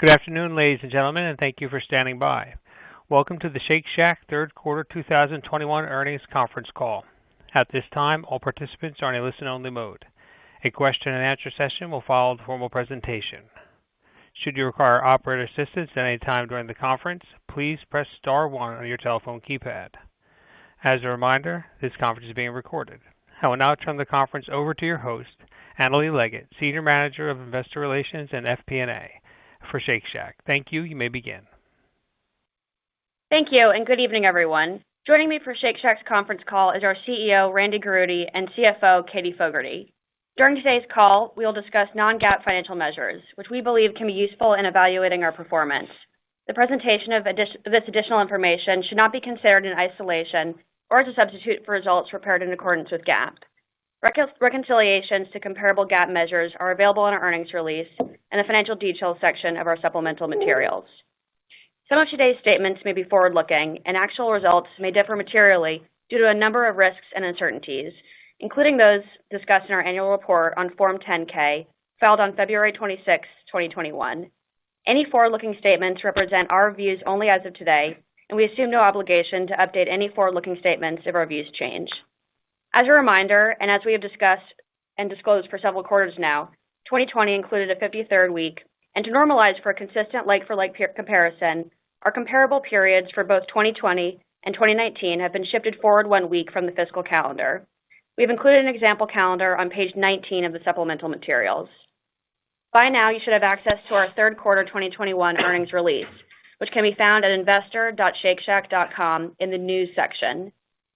Good afternoon, ladies and gentlemen, and thank you for standing by. Welcome to the Shake Shack third quarter 2021 earnings conference call. At this time, all participants are in a listen only mode. A question and answer session will follow the formal presentation. Should you require operator assistance at any time during the conference, please press star one on your telephone keypad. As a reminder, this conference is being recorded. I will now turn the conference over to your host, Annalee Leggett, Senior Manager, Investor Relations & FP&A for Shake Shack. Thank you. You may begin. Thank you, and good evening, everyone. Joining me for Shake Shack's conference call is our CEO, Randy Garutti, and CFO, Katie Fogertey. During today's call, we will discuss non-GAAP financial measures, which we believe can be useful in evaluating our performance. The presentation of additional information should not be considered in isolation or as a substitute for results prepared in accordance with GAAP. Reconciliations to comparable GAAP measures are available in our earnings release in the financial details section of our supplemental materials. Some of today's statements may be forward-looking, and actual results may differ materially due to a number of risks and uncertainties, including those discussed in our annual report on Form 10-K, filed on February 26th, 2021. Any forward-looking statements represent our views only as of today, and we assume no obligation to update any forward-looking statements if our views change. As a reminder, and as we have discussed and disclosed for several quarters now, 2020 included a 53rd week, and to normalize for a consistent like-for-like per-comparison, our comparable periods for both 2020 and 2019 have been shifted forward one week from the fiscal calendar. We've included an example calendar on page 19 of the supplemental materials. By now, you should have access to our third quarter 2021 earnings release, which can be found at investor.shakeshack.com in the news section.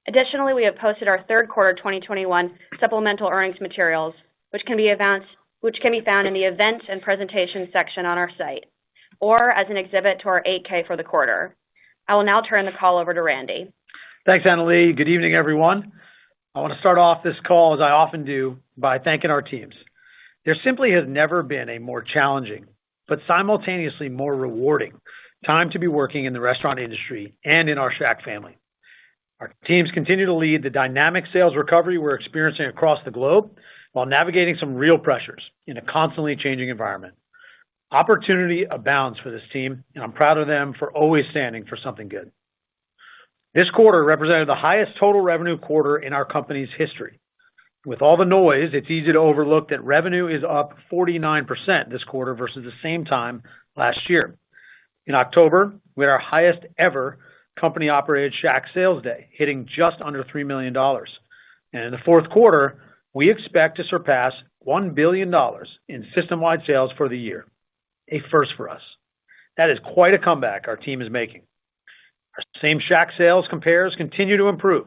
Additionally, we have posted our third quarter 2021 supplemental earnings materials, which can be found in the events and presentations section on our site or as an exhibit to our 8-K for the quarter. I will now turn the call over to Randy. Thanks, Annalee. Good evening, everyone. I want to start off this call, as I often do, by thanking our teams. There simply has never been a more challenging but simultaneously more rewarding time to be working in the restaurant industry and in our Shack family. Our teams continue to lead the dynamic sales recovery we're experiencing across the globe while navigating some real pressures in a constantly changing environment. Opportunity abounds for this team, and I'm proud of them for always standing for something good. This quarter represented the highest total revenue quarter in our company's history. With all the noise, it's easy to overlook that revenue is up 49% this quarter versus the same time last year. In October, we had our highest ever company-operated Shack sales day, hitting just under $3 million. In the fourth quarter, we expect to surpass $1 billion in system-wide sales for the year. A first for us. That is quite a comeback our team is making. Our Same-Shack sales comps continue to improve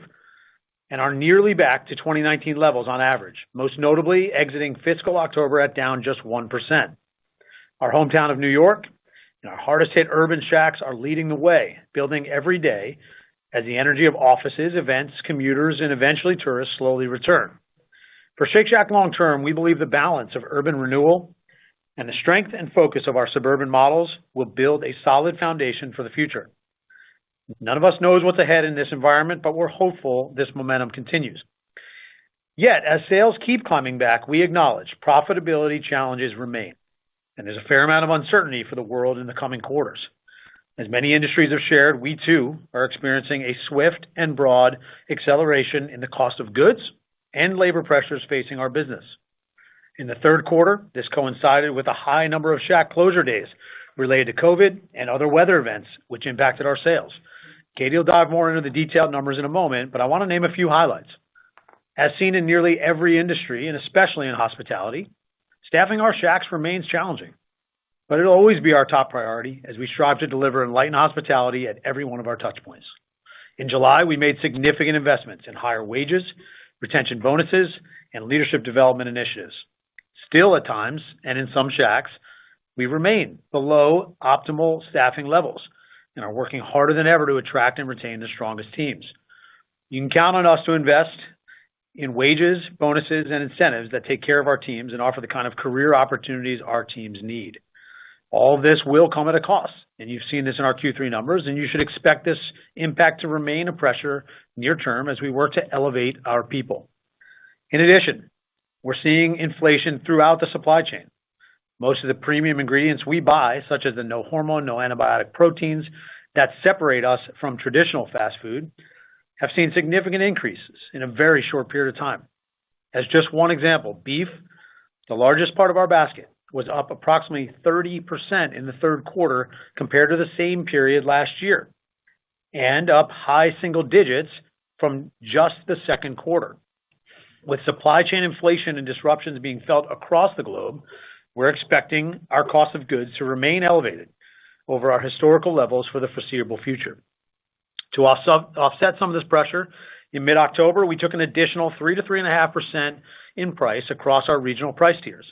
and are nearly back to 2019 levels on average, most notably exiting fiscal October at down just 1%. Our hometown of New York and our hardest hit urban Shacks are leading the way, building every day as the energy of offices, events, commuters, and eventually tourists slowly return. For Shake Shack long term, we believe the balance of urban renewal and the strength and focus of our suburban models will build a solid foundation for the future. None of us knows what's ahead in this environment, but we're hopeful this momentum continues. Yet, as sales keep climbing back, we acknowledge profitability challenges remain, and there's a fair amount of uncertainty for the world in the coming quarters. As many industries have shared, we too are experiencing a swift and broad acceleration in the cost of goods and labor pressures facing our business. In the third quarter, this coincided with a high number of Shack closure days related to COVID and other weather events which impacted our sales. Katie will dive more into the detailed numbers in a moment, but I want to name a few highlights. As seen in nearly every industry, and especially in hospitality, staffing our Shacks remains challenging, but it'll always be our top priority as we strive to deliver enlightened hospitality at every one of our touch points. In July, we made significant investments in higher wages, retention bonuses, and leadership development initiatives. Still, at times, and in some Shacks, we remain below optimal staffing levels and are working harder than ever to attract and retain the strongest teams. You can count on us to invest in wages, bonuses, and incentives that take care of our teams and offer the kind of career opportunities our teams need. All this will come at a cost, and you've seen this in our Q3 numbers, and you should expect this impact to remain a pressure near term as we work to elevate our people. In addition, we're seeing inflation throughout the supply chain. Most of the premium ingredients we buy, such as the no hormone, no antibiotic proteins that separate us from traditional fast food, have seen significant increases in a very short period of time. As just one example, beef, the largest part of our basket, was up approximately 30% in the third quarter compared to the same period last year, and up high single digits from just the second quarter. With supply chain inflation and disruptions being felt across the globe, we're expecting our cost of goods to remain elevated over our historical levels for the foreseeable future. To offset some of this pressure, in mid-October, we took an additional 3%-3.5% in price across our regional price tiers.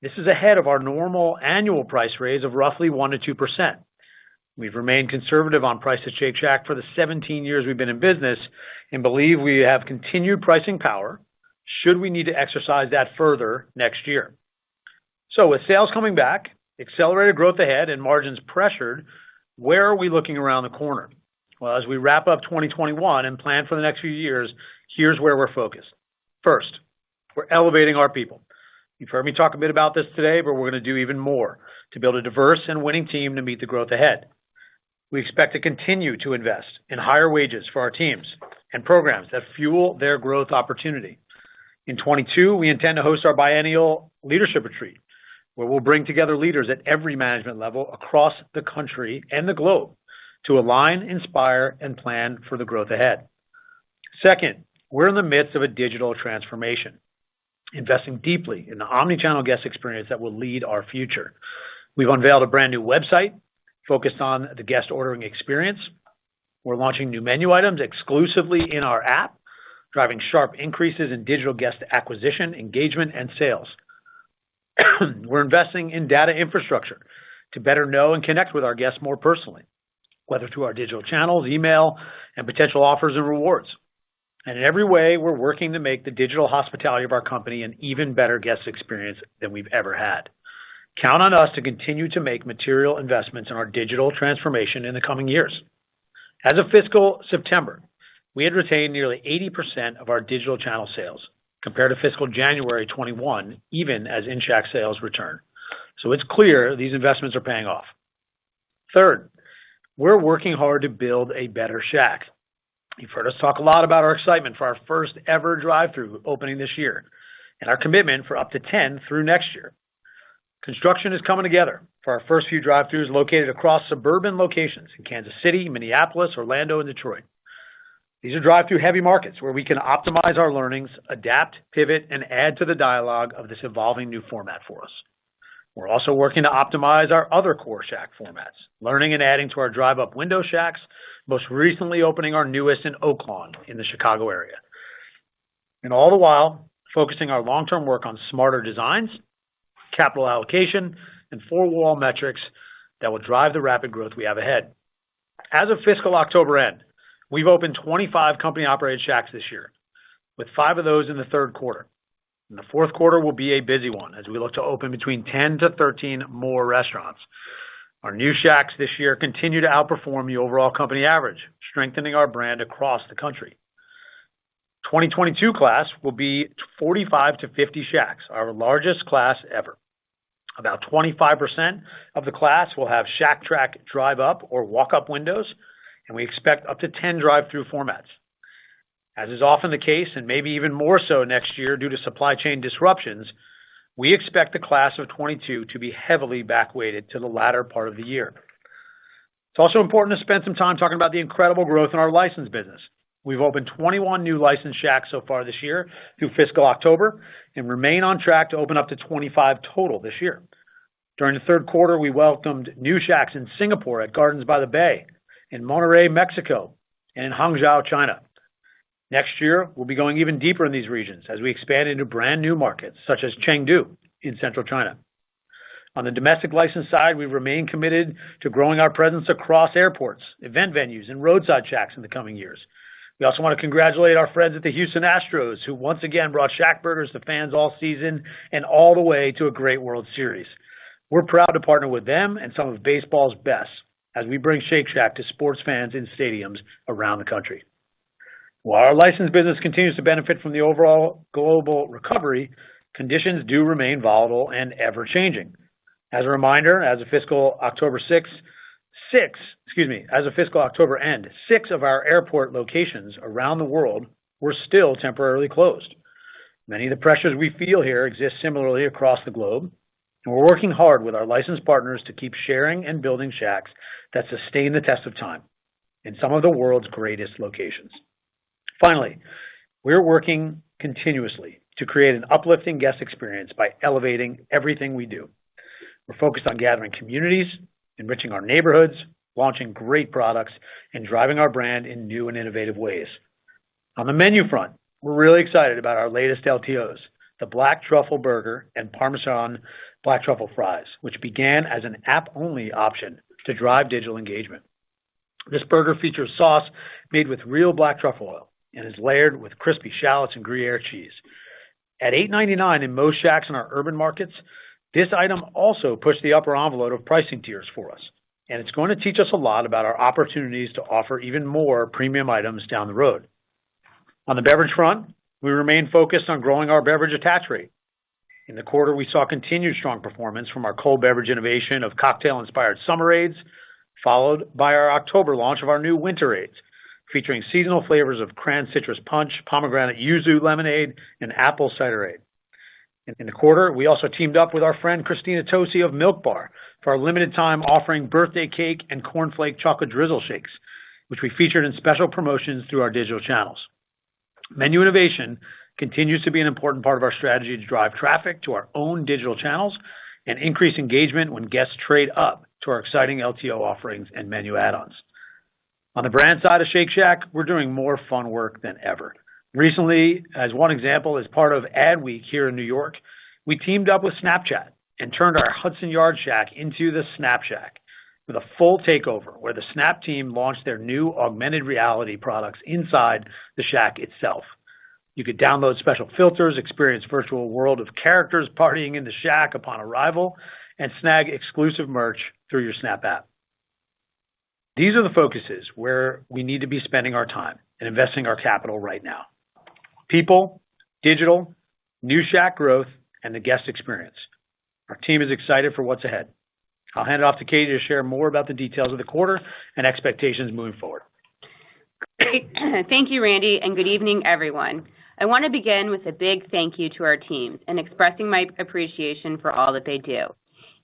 This is ahead of our normal annual price raise of roughly 1%-2%. We've remained conservative on price at Shake Shack for the 17 years we've been in business and believe we have continued pricing power should we need to exercise that further next year. With sales coming back, accelerated growth ahead and margins pressured, where are we looking around the corner? Well, as we wrap up 2021 and plan for the next few years, here's where we're focused. First. We're elevating our people. You've heard me talk a bit about this today, but we're gonna do even more to build a diverse and winning team to meet the growth ahead. We expect to continue to invest in higher wages for our teams and programs that fuel their growth opportunity. In 2022, we intend to host our biennial leadership retreat, where we'll bring together leaders at every management level across the country and the globe to align, inspire, and plan for the growth ahead. Second, we're in the midst of a digital transformation, investing deeply in the omni-channel guest experience that will lead our future. We've unveiled a brand new website focused on the guest ordering experience. We're launching new menu items exclusively in our app, driving sharp increases in digital guest acquisition, engagement, and sales. We're investing in data infrastructure to better know and connect with our guests more personally, whether through our digital channels, email, and potential offers or rewards. In every way, we're working to make the digital hospitality of our company an even better guest experience than we've ever had. Count on us to continue to make material investments in our digital transformation in the coming years. As of fiscal September, we had retained nearly 80% of our digital channel sales compared to fiscal January 2021, even as in-Shack sales return. It's clear these investments are paying off. Third, we're working hard to build a better Shack. You've heard us talk a lot about our excitement for our first-ever drive-thru opening this year and our commitment for up to 10 through next year. Construction is coming together for our first few drive-thrus located across suburban locations in Kansas City, Minneapolis, Orlando, and Detroit. These are drive-thru heavy markets where we can optimize our learnings, adapt, pivot, and add to the dialogue of this evolving new format for us. We're also working to optimize our other core Shack formats, learning and adding to our drive-up window Shacks, most recently opening our newest in Oak Lawn in the Chicago area. All the while focusing our long-term work on smarter designs, capital allocation, and four wall metrics that will drive the rapid growth we have ahead. As of fiscal October end, we've opened 25 company-operated Shacks this year, with five of those in the third quarter. The fourth quarter will be a busy one as we look to open between 10-13 more restaurants. Our new Shacks this year continue to outperform the overall company average, strengthening our brand across the country. 2022 class will be 45-50 Shacks, our largest class ever. About 25% of the class will have ShackTrack drive-up or walk-up windows, and we expect up to 10 drive-thru formats. As is often the case, and maybe even more so next year due to supply chain disruptions, we expect the class of 2022 to be heavily back-weighted to the latter part of the year. It's also important to spend some time talking about the incredible growth in our license business. We've opened 21 new licensed Shacks so far this year through fiscal October and remain on track to open up to 25 total this year. During the third quarter, we welcomed new Shacks in Singapore at Gardens by the Bay, in Monterrey, Mexico, and Hangzhou, China. Next year, we'll be going even deeper in these regions as we expand into brand new markets, such as Chengdu in central China. On the domestic license side, we remain committed to growing our presence across airports, event venues, and roadside Shacks in the coming years. We also want to congratulate our friends at the Houston Astros, who once again brought ShackBurgers to fans all season and all the way to a great World Series. We're proud to partner with them and some of baseball's best as we bring Shake Shack to sports fans in stadiums around the country. While our license business continues to benefit from the overall global recovery, conditions do remain volatile and ever-changing. As a reminder, as of fiscal October end, six of our airport locations around the world were still temporarily closed. Many of the pressures we feel here exist similarly across the globe, and we're working hard with our licensed partners to keep sharing and building Shacks that sustain the test of time in some of the world's greatest locations. Finally, we're working continuously to create an uplifting guest experience by elevating everything we do. We're focused on gathering communities, enriching our neighborhoods, launching great products, and driving our brand in new and innovative ways. On the menu front, we're really excited about our latest LTOs, the Black Truffle Burger and Parmesan Black Truffle Fries, which began as an app-only option to drive digital engagement. This burger features sauce made with real black truffle oil and is layered with crispy shallots and Gruyère cheese. At $8.99 in most Shacks in our urban markets, this item also pushed the upper envelope of pricing tiers for us, and it's going to teach us a lot about our opportunities to offer even more premium items down the road. On the beverage front, we remain focused on growing our beverage attach rate. In the quarter, we saw continued strong performance from our cold beverage innovation of cocktail-inspired Summerades, followed by our October launch of our new Winterades, featuring seasonal flavors of cran-citrus punch, pomegranate yuzu lemonade, and apple ciderade. In the quarter, we also teamed up with our friend Christina Tosi of Milk Bar for our limited time offering birthday cake and cornflake chocolate drizzle shakes, which we featured in special promotions through our digital channels. Menu innovation continues to be an important part of our strategy to drive traffic to our own digital channels and increase engagement when guests trade up to our exciting LTO offerings and menu add-ons. On the brand side of Shake Shack, we're doing more fun work than ever. Recently, as one example, as part of Adweek here in New York, we teamed up with Snapchat and turned our Hudson Yards Shack into the Snap Shack with a full takeover where the Snap team launched their new augmented reality products inside the Shack itself. You could download special filters, experience virtual world of characters partying in the Shack upon arrival, and snag exclusive merch through your Snap app. These are the focuses where we need to be spending our time and investing our capital right now. People, digital, new Shack growth, and the guest experience. Our team is excited for what's ahead. I'll hand it off to Katie to share more about the details of the quarter and expectations moving forward. Thank you, Randy, and good evening, everyone. I want to begin with a big thank you to our teams and expressing my appreciation for all that they do.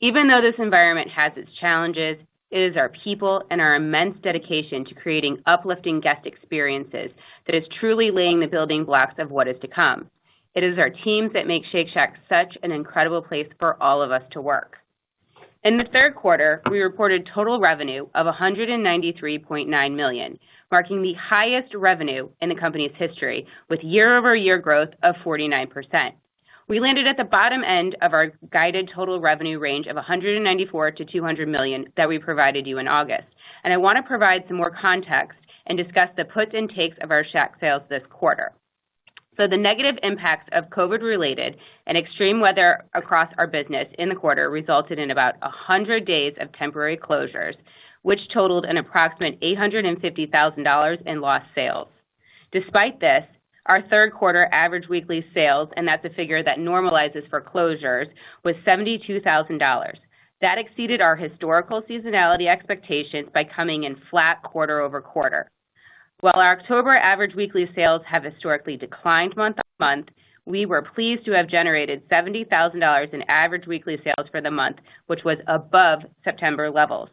Even though this environment has its challenges, it is our people and our immense dedication to creating uplifting guest experiences that is truly laying the building blocks of what is to come. It is our teams that make Shake Shack such an incredible place for all of us to work. In the third quarter, we reported total revenue of $193.9 million, marking the highest revenue in the company's history with year-over-year growth of 49%. We landed at the bottom end of our guided total revenue range of $194 million-$200 million that we provided you in August. I wanna provide some more context and discuss the puts and takes of our Same-Shack Sales this quarter. The negative impacts of COVID-related and extreme weather across our business in the quarter resulted in about 100 days of temporary closures, which totaled an approximate $850,000 in lost sales. Despite this, our third quarter average weekly sales, and that's a figure that normalizes for closures, was $72,000. That exceeded our historical seasonality expectations by coming in flat quarter-over-quarter. While our October average weekly sales have historically declined month-to-month, we were pleased to have generated $70,000 in average weekly sales for the month, which was above September levels.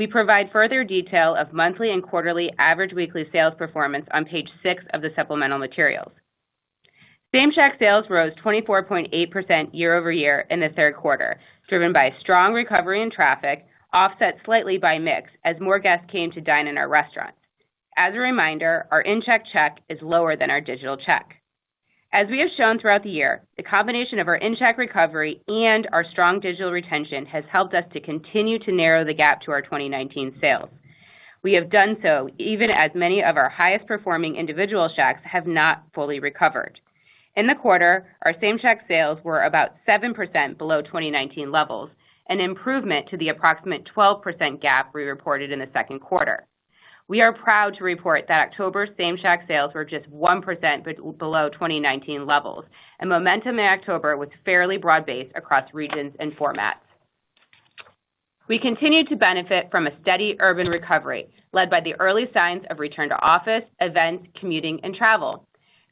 We provide further detail of monthly and quarterly average weekly sales performance on page six of the supplemental materials. Same-Shack sales rose 24.8% year-over-year in the third quarter, driven by strong recovery in traffic, offset slightly by mix as more guests came to dine in our restaurants. As a reminder, our in-Shack check is lower than our digital check. As we have shown throughout the year, the combination of our in-Shack recovery and our strong digital retention has helped us to continue to narrow the gap to our 2019 sales. We have done so even as many of our highest performing individual Shacks have not fully recovered. In the quarter, our Same-Shack sales were about 7% below 2019 levels, an improvement to the approximate 12% gap we reported in the second quarter. We are proud to report that October Same-Shack sales were just 1% below 2019 levels, and momentum in October was fairly broad-based across regions and formats. We continued to benefit from a steady urban recovery led by the early signs of return to office, events, commuting, and travel.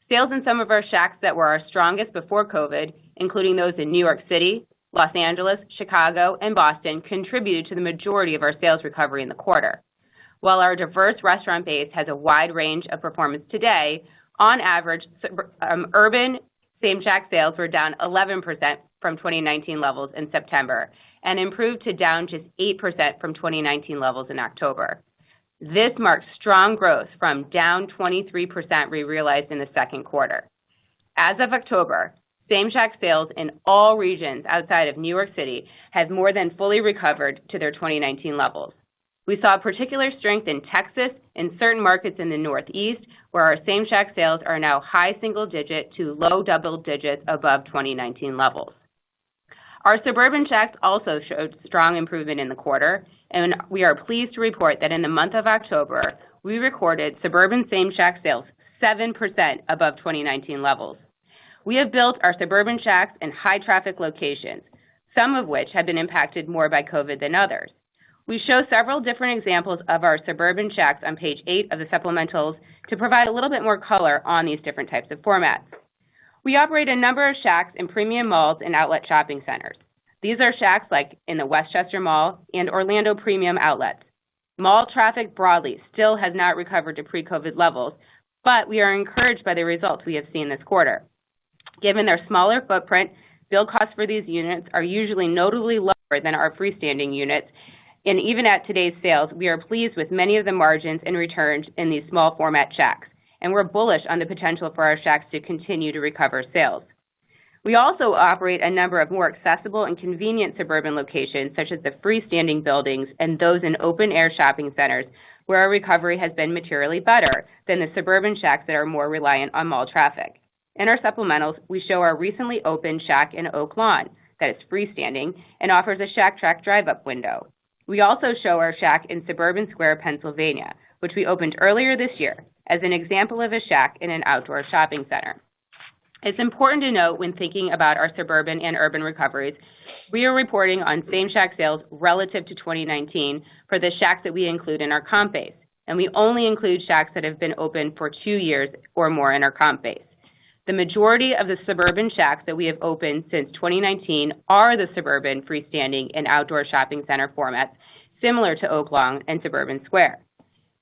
Sales in some of our Shacks that were our strongest before COVID, including those in New York City, Los Angeles, Chicago, and Boston, contributed to the majority of our sales recovery in the quarter. While our diverse restaurant base has a wide range of performance today, on average, suburban Same-Shack sales were down 11% from 2019 levels in September and improved to down just 8% from 2019 levels in October. This marks strong growth from down 23% we realized in the second quarter. As of October, Same-Shack Sales in all regions outside of New York City have more than fully recovered to their 2019 levels. We saw particular strength in Texas, in certain markets in the Northeast, where our Same-Shack Sales are now high single digit to low double digit above 2019 levels. Our suburban Shacks also showed strong improvement in the quarter, and we are pleased to report that in the month of October, we recorded suburban Same-Shack Sales 7% above 2019 levels. We have built our suburban Shacks in high traffic locations, some of which have been impacted more by COVID than others. We show several different examples of our suburban Shacks on page 8 of the supplementals to provide a little bit more color on these different types of formats. We operate a number of Shacks in premium malls and outlet shopping centers. These are Shacks like in the Westchester Mall and Orlando Premium Outlets. Mall traffic broadly still has not recovered to pre-COVID levels, but we are encouraged by the results we have seen this quarter. Given their smaller footprint, build costs for these units are usually notably lower than our freestanding units. Even at today's sales, we are pleased with many of the margins and returns in these small format Shacks, and we're bullish on the potential for our Shacks to continue to recover sales. We also operate a number of more accessible and convenient suburban locations, such as the freestanding buildings and those in open air shopping centers, where our recovery has been materially better than the suburban Shacks that are more reliant on mall traffic. In our supplementals, we show our recently opened Shack in Oak Lawn that is freestanding and offers a Shack Track drive-up window. We also show our Shack in Suburban Square, Pennsylvania, which we opened earlier this year as an example of a Shack in an outdoor shopping center. It's important to note when thinking about our suburban and urban recoveries, we are reporting on Same-Shack Sales relative to 2019 for the Shacks that we include in our comp base, and we only include Shacks that have been open for two years or more in our comp base. The majority of the suburban Shacks that we have opened since 2019 are the suburban freestanding and outdoor shopping center formats similar to Oak Lawn and Suburban Square.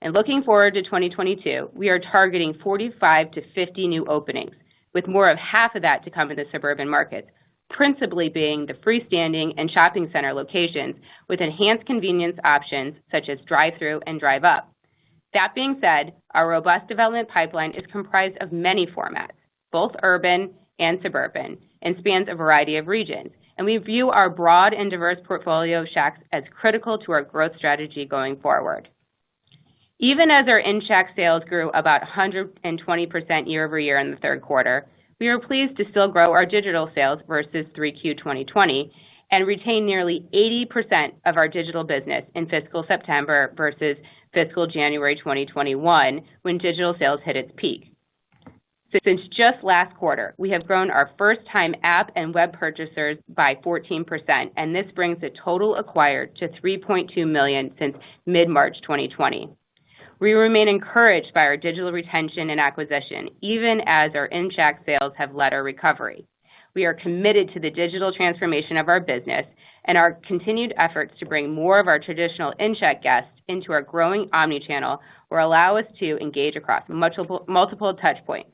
Looking forward to 2022, we are targeting 45-50 new openings, with more than half of that to come in the suburban markets, principally being the freestanding and shopping center locations with enhanced convenience options such as drive-thru and drive-up. That being said, our robust development pipeline is comprised of many formats, both urban and suburban, and spans a variety of regions. We view our broad and diverse portfolio of Shacks as critical to our growth strategy going forward. Even as our in-Shack sales grew about 120% year-over-year in the third quarter, we are pleased to still grow our digital sales versus 3Q 2020, and retain nearly 80% of our digital business in fiscal September versus fiscal January 2021 when digital sales hit its peak. Since just last quarter, we have grown our first-time app and web purchasers by 14%, and this brings the total acquired to 3.2 million since mid-March 2020. We remain encouraged by our digital retention and acquisition, even as our in-Shack sales have led our recovery. We are committed to the digital transformation of our business and our continued efforts to bring more of our traditional in-Shack guests into our growing omni-channel will allow us to engage across multiple touch points.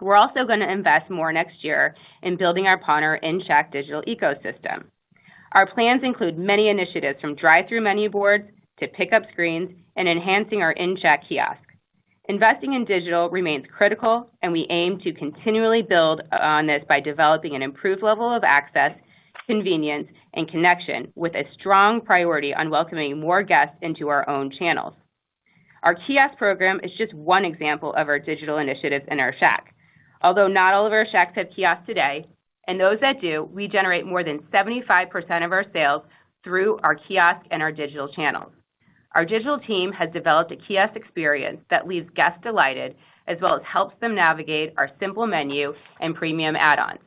We're also going to invest more next year in building our in-Shack digital ecosystem. Our plans include many initiatives from drive-thru menu boards to pickup screens and enhancing our in-Shack kiosk. Investing in digital remains critical, and we aim to continually build on this by developing an improved level of access, convenience, and connection with a strong priority on welcoming more guests into our own channels. Our kiosk program is just one example of our digital initiatives in our Shack. Although not all of our Shacks have kiosks today, and those that do, we generate more than 75% of our sales through our kiosk and our digital channels. Our digital team has developed a kiosk experience that leaves guests delighted as well as helps them navigate our simple menu and premium add-ons.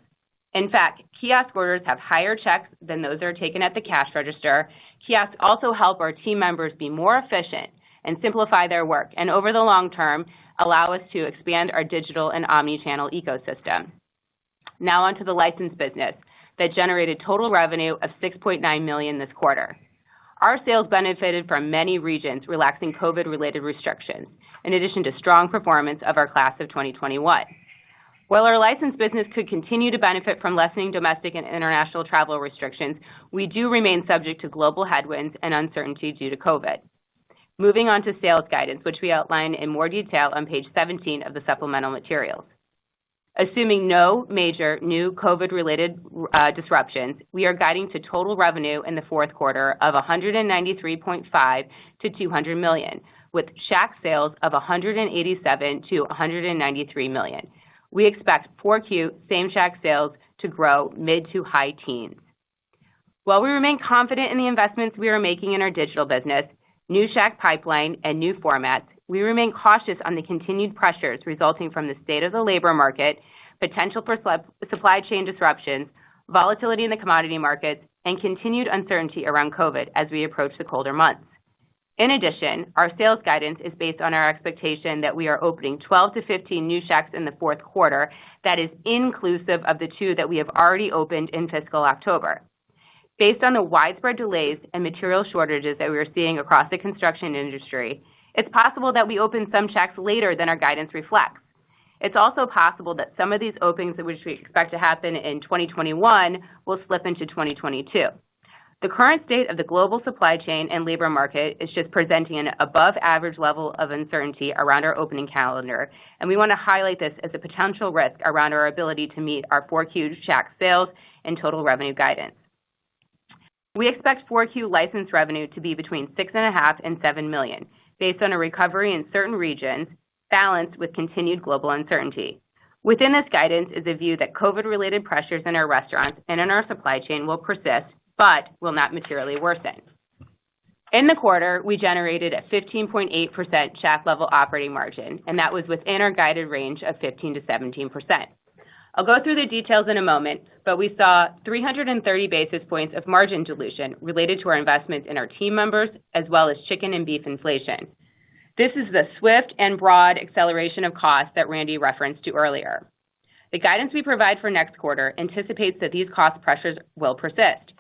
In fact, kiosk orders have higher checks than those that are taken at the cash register. Kiosks also help our team members be more efficient and simplify their work, and over the long term, allow us to expand our digital and omni-channel ecosystem. Now on to the licensed business that generated total revenue of $6.9 million this quarter. Our sales benefited from many regions relaxing COVID-related restrictions, in addition to strong performance of our class of 2021. While our licensed business could continue to benefit from lessening domestic and international travel restrictions, we do remain subject to global headwinds and uncertainty due to COVID. Moving on to sales guidance, which we outline in more detail on page 17 of the supplemental materials. Assuming no major new COVID-related disruptions, we are guiding to total revenue in the fourth quarter of $193.5 million-$200 million, with Shack sales of $187 million-$193 million. We expect Q4 Same-Shack Sales to grow mid- to high-teens. While we remain confident in the investments we are making in our digital business, new Shack pipeline, and new formats, we remain cautious on the continued pressures resulting from the state of the labor market, potential for supply chain disruptions, volatility in the commodity markets, and continued uncertainty around COVID as we approach the colder months. In addition, our sales guidance is based on our expectation that we are opening 12-15 new Shacks in the fourth quarter that is inclusive of the 2 that we have already opened in fiscal October. Based on the widespread delays and material shortages that we are seeing across the construction industry, it's possible that we open some Shacks later than our guidance reflects. It's also possible that some of these openings in which we expect to happen in 2021 will slip into 2022. The current state of the global supply chain and labor market is just presenting an above average level of uncertainty around our opening calendar, and we want to highlight this as a potential risk around our ability to meet our Q4 Shack sales and total revenue guidance. We expect Q4 license revenue to be between $6.5 million and $7 million based on a recovery in certain regions balanced with continued global uncertainty. Within this guidance is a view that COVID-related pressures in our restaurants and in our supply chain will persist but will not materially worsen. In the quarter, we generated a 15.8% Shack-level operating margin, and that was within our guided range of 15%-17%. I'll go through the details in a moment, but we saw 330 basis points of margin dilution related to our investments in our team members, as well as chicken and beef inflation. This is the swift and broad acceleration of costs that Randy referenced to earlier. The guidance we provide for next quarter anticipates that these cost pressures will persist.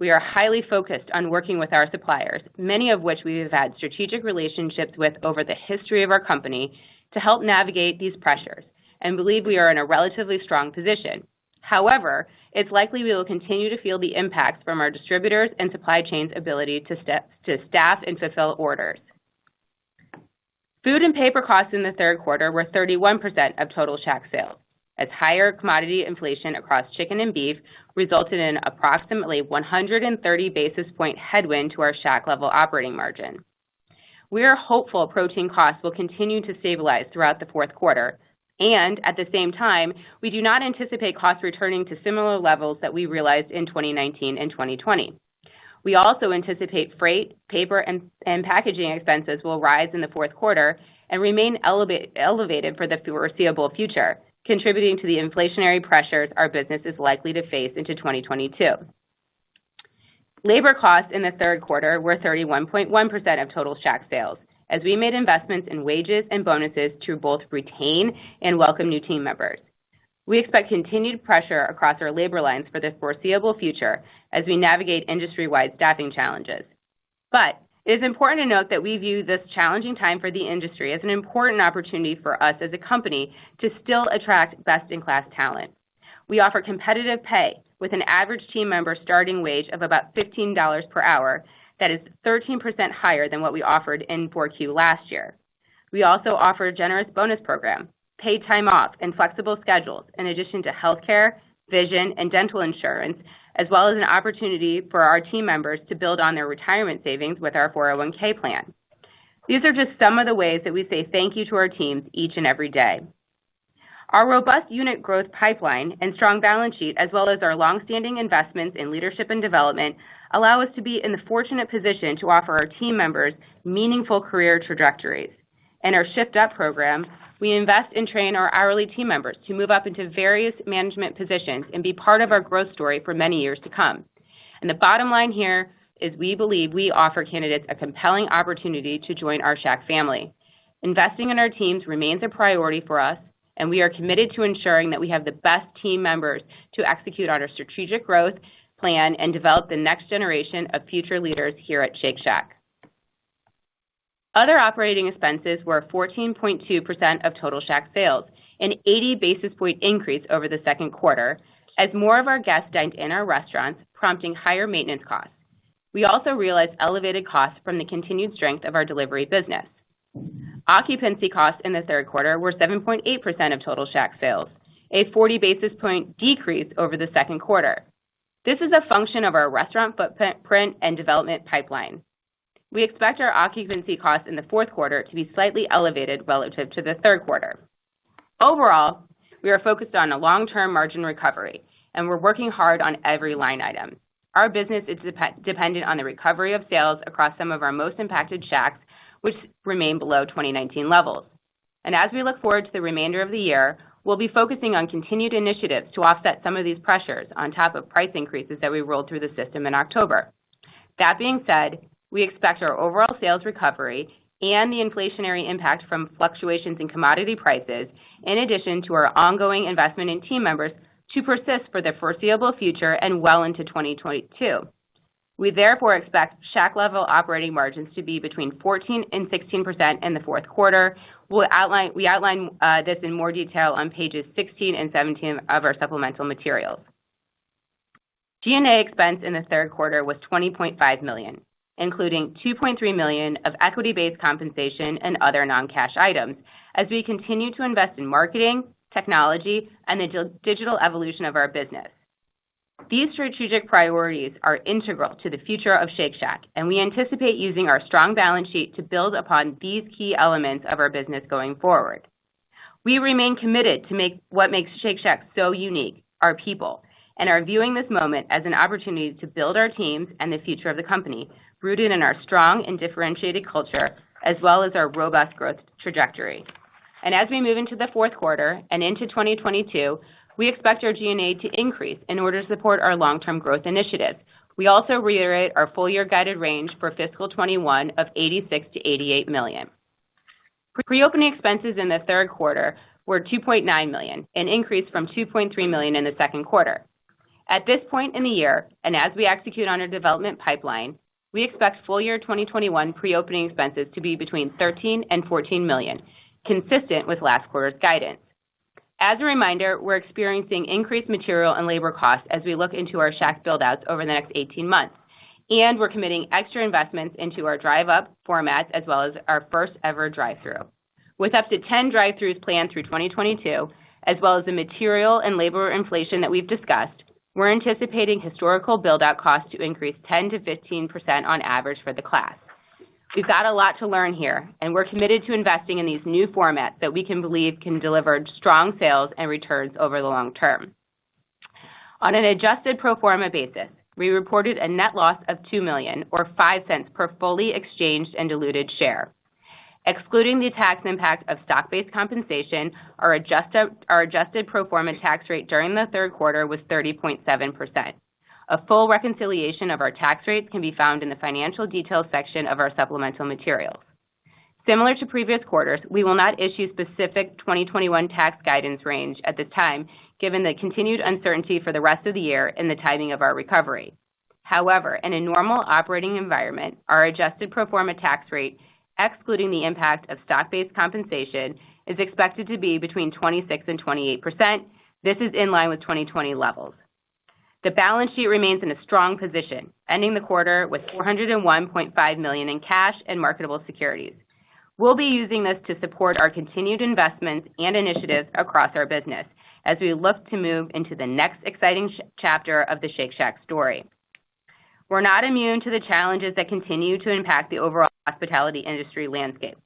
We are highly focused on working with our suppliers, many of which we have had strategic relationships with over the history of our company to help navigate these pressures and believe we are in a relatively strong position. However, it's likely we will continue to feel the impacts from our distributors and supply chains ability to staff and fulfill orders. Food and paper costs in the third quarter were 31% of total Shack sales as higher commodity inflation across chicken and beef resulted in approximately 130 basis point headwind to our Shack-level operating margin. We are hopeful protein costs will continue to stabilize throughout the fourth quarter. At the same time, we do not anticipate costs returning to similar levels that we realized in 2019 and 2020. We also anticipate freight, paper, and packaging expenses will rise in the fourth quarter and remain elevated for the foreseeable future, contributing to the inflationary pressures our business is likely to face into 2022. Labor costs in the third quarter were 31.1% of total Shack sales as we made investments in wages and bonuses to both retain and welcome new team members. We expect continued pressure across our labor lines for the foreseeable future as we navigate industry-wide staffing challenges. It is important to note that we view this challenging time for the industry as an important opportunity for us as a company to still attract best-in-class talent. We offer competitive pay with an average team member starting wage of about $15 per hour. That is 13% higher than what we offered in 4Q last year. We also offer a generous bonus program, paid time off, and flexible schedules in addition to healthcare, vision, and dental insurance, as well as an opportunity for our team members to build on their retirement savings with our 401(k) plan. These are just some of the ways that we say thank you to our teams each and every day. Our robust unit growth pipeline and strong balance sheet, as well as our long-standing investments in leadership and development, allow us to be in the fortunate position to offer our team members meaningful career trajectories. In our Shift Up program, we invest and train our hourly team members to move up into various management positions and be part of our growth story for many years to come. The bottom line here is we believe we offer candidates a compelling opportunity to join our Shack family. Investing in our teams remains a priority for us, and we are committed to ensuring that we have the best team members to execute on our strategic growth plan and develop the next generation of future leaders here at Shake Shack. Other operating expenses were 14.2% of total Shack sales, an 80 basis point increase over the second quarter as more of our guests dined in our restaurants, prompting higher maintenance costs. We also realized elevated costs from the continued strength of our delivery business. Occupancy costs in the third quarter were 7.8% of total Shack sales, a 40 basis point decrease over the second quarter. This is a function of our restaurant footprint, rent, and development pipeline. We expect our occupancy costs in the fourth quarter to be slightly elevated relative to the third quarter. Overall, we are focused on a long-term margin recovery, and we're working hard on every line item. Our business is dependent on the recovery of sales across some of our most impacted Shacks, which remain below 2019 levels. As we look forward to the remainder of the year, we'll be focusing on continued initiatives to offset some of these pressures on top of price increases that we rolled through the system in October. That being said, we expect our overall sales recovery and the inflationary impact from fluctuations in commodity prices, in addition to our ongoing investment in team members, to persist for the foreseeable future and well into 2022. We therefore expect Shack-level operating margins to be between 14% and 16% in the fourth quarter. We outline this in more detail on pages 16 and 17 of our supplemental materials. G&A expense in the third quarter was $20.5 million, including $2.3 million of equity-based compensation and other non-cash items as we continue to invest in marketing, technology, and the digital evolution of our business. These strategic priorities are integral to the future of Shake Shack, and we anticipate using our strong balance sheet to build upon these key elements of our business going forward. We remain committed to make what makes Shake Shack so unique, our people, and are viewing this moment as an opportunity to build our teams and the future of the company, rooted in our strong and differentiated culture as well as our robust growth trajectory. As we move into the fourth quarter and into 2022, we expect our G&A to increase in order to support our long-term growth initiatives. We also reiterate our full year guided range for fiscal 2021 of $86 million-$88 million. Pre-opening expenses in the third quarter were $2.9 million, an increase from $2.3 million in the second quarter. At this point in the year, and as we execute on a development pipeline, we expect full year 2021 pre-opening expenses to be between $13 million and $14 million, consistent with last quarter's guidance. As a reminder, we're experiencing increased material and labor costs as we look into our Shack buildouts over the next 18 months, and we're committing extra investments into our drive-up formats as well as our first-ever drive-thru. With up to 10 drive-thrus planned through 2022, as well as the material and labor inflation that we've discussed, we're anticipating historical buildout costs to increase 10%-15% on average for the class. We've got a lot to learn here, and we're committed to investing in these new formats that we can believe can deliver strong sales and returns over the long term. On an adjusted pro forma basis, we reported a net loss of $2 million or $0.05 per fully exchanged and diluted share. Excluding the tax impact of stock-based compensation, our adjusted pro forma tax rate during the third quarter was 30.7%. A full reconciliation of our tax rates can be found in the financial details section of our supplemental materials. Similar to previous quarters, we will not issue specific 2021 tax guidance range at this time, given the continued uncertainty for the rest of the year and the timing of our recovery. However, in a normal operating environment, our adjusted pro forma tax rate, excluding the impact of stock-based compensation, is expected to be between 26% and 28%. This is in line with 2020 levels. The balance sheet remains in a strong position, ending the quarter with $401.5 million in cash and marketable securities. We'll be using this to support our continued investments and initiatives across our business as we look to move into the next exciting chapter of the Shake Shack story. We're not immune to the challenges that continue to impact the overall hospitality industry landscape.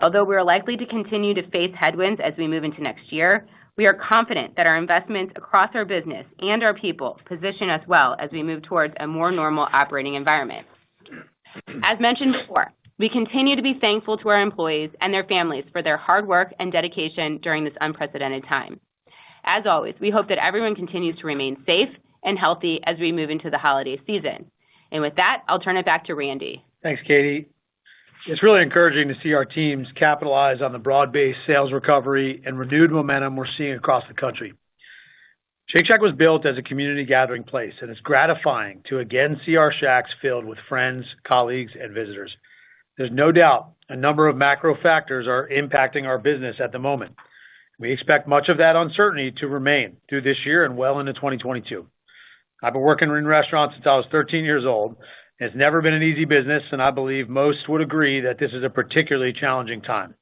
Although we are likely to continue to face headwinds as we move into next year, we are confident that our investments across our business and our people position us well as we move towards a more normal operating environment. As mentioned before, we continue to be thankful to our employees and their families for their hard work and dedication during this unprecedented time. As always, we hope that everyone continues to remain safe and healthy as we move into the holiday season. With that, I'll turn it back to Randy. Thanks, Katie. It's really encouraging to see our teams capitalize on the broad-based sales recovery and renewed momentum we're seeing across the country. Shake Shack was built as a community gathering place, and it's gratifying to again see our Shacks filled with friends, colleagues, and visitors. There's no doubt a number of macro factors are impacting our business at the moment. We expect much of that uncertainty to remain through this year and well into 2022. I've been working in restaurants since I was 13 years old, and it's never been an easy business, and I believe most would agree that this is a particularly challenging time,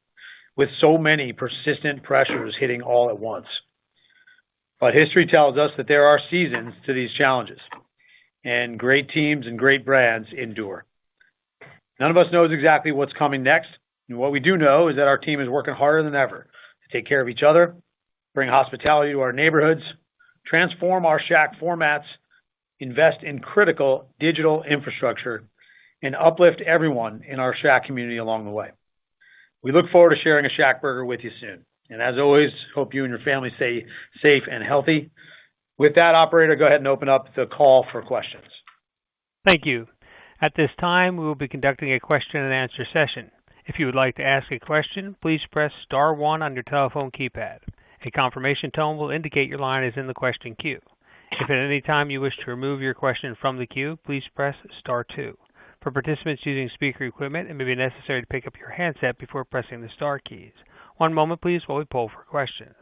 with so many persistent pressures hitting all at once. History tells us that there are seasons to these challenges, and great teams and great brands endure. None of us knows exactly what's coming next. What we do know is that our team is working harder than ever to take care of each other, bring hospitality to our neighborhoods, transform our Shack formats, invest in critical digital infrastructure, and uplift everyone in our Shack community along the way. We look forward to sharing a ShackBurger with you soon. As always, hope you and your family stay safe and healthy. With that, operator, go ahead and open up the call for questions. Thank you. At this time, we will be conducting a question and answer session. If you would like to ask a question, please press star one on your telephone keypad. A confirmation tone will indicate your line is in the question queue. If at any time you wish to remove your question from the queue, please press star two. For participants using speaker equipment, it may be necessary to pick up your handset before pressing the star keys. One moment, please, while we poll for questions.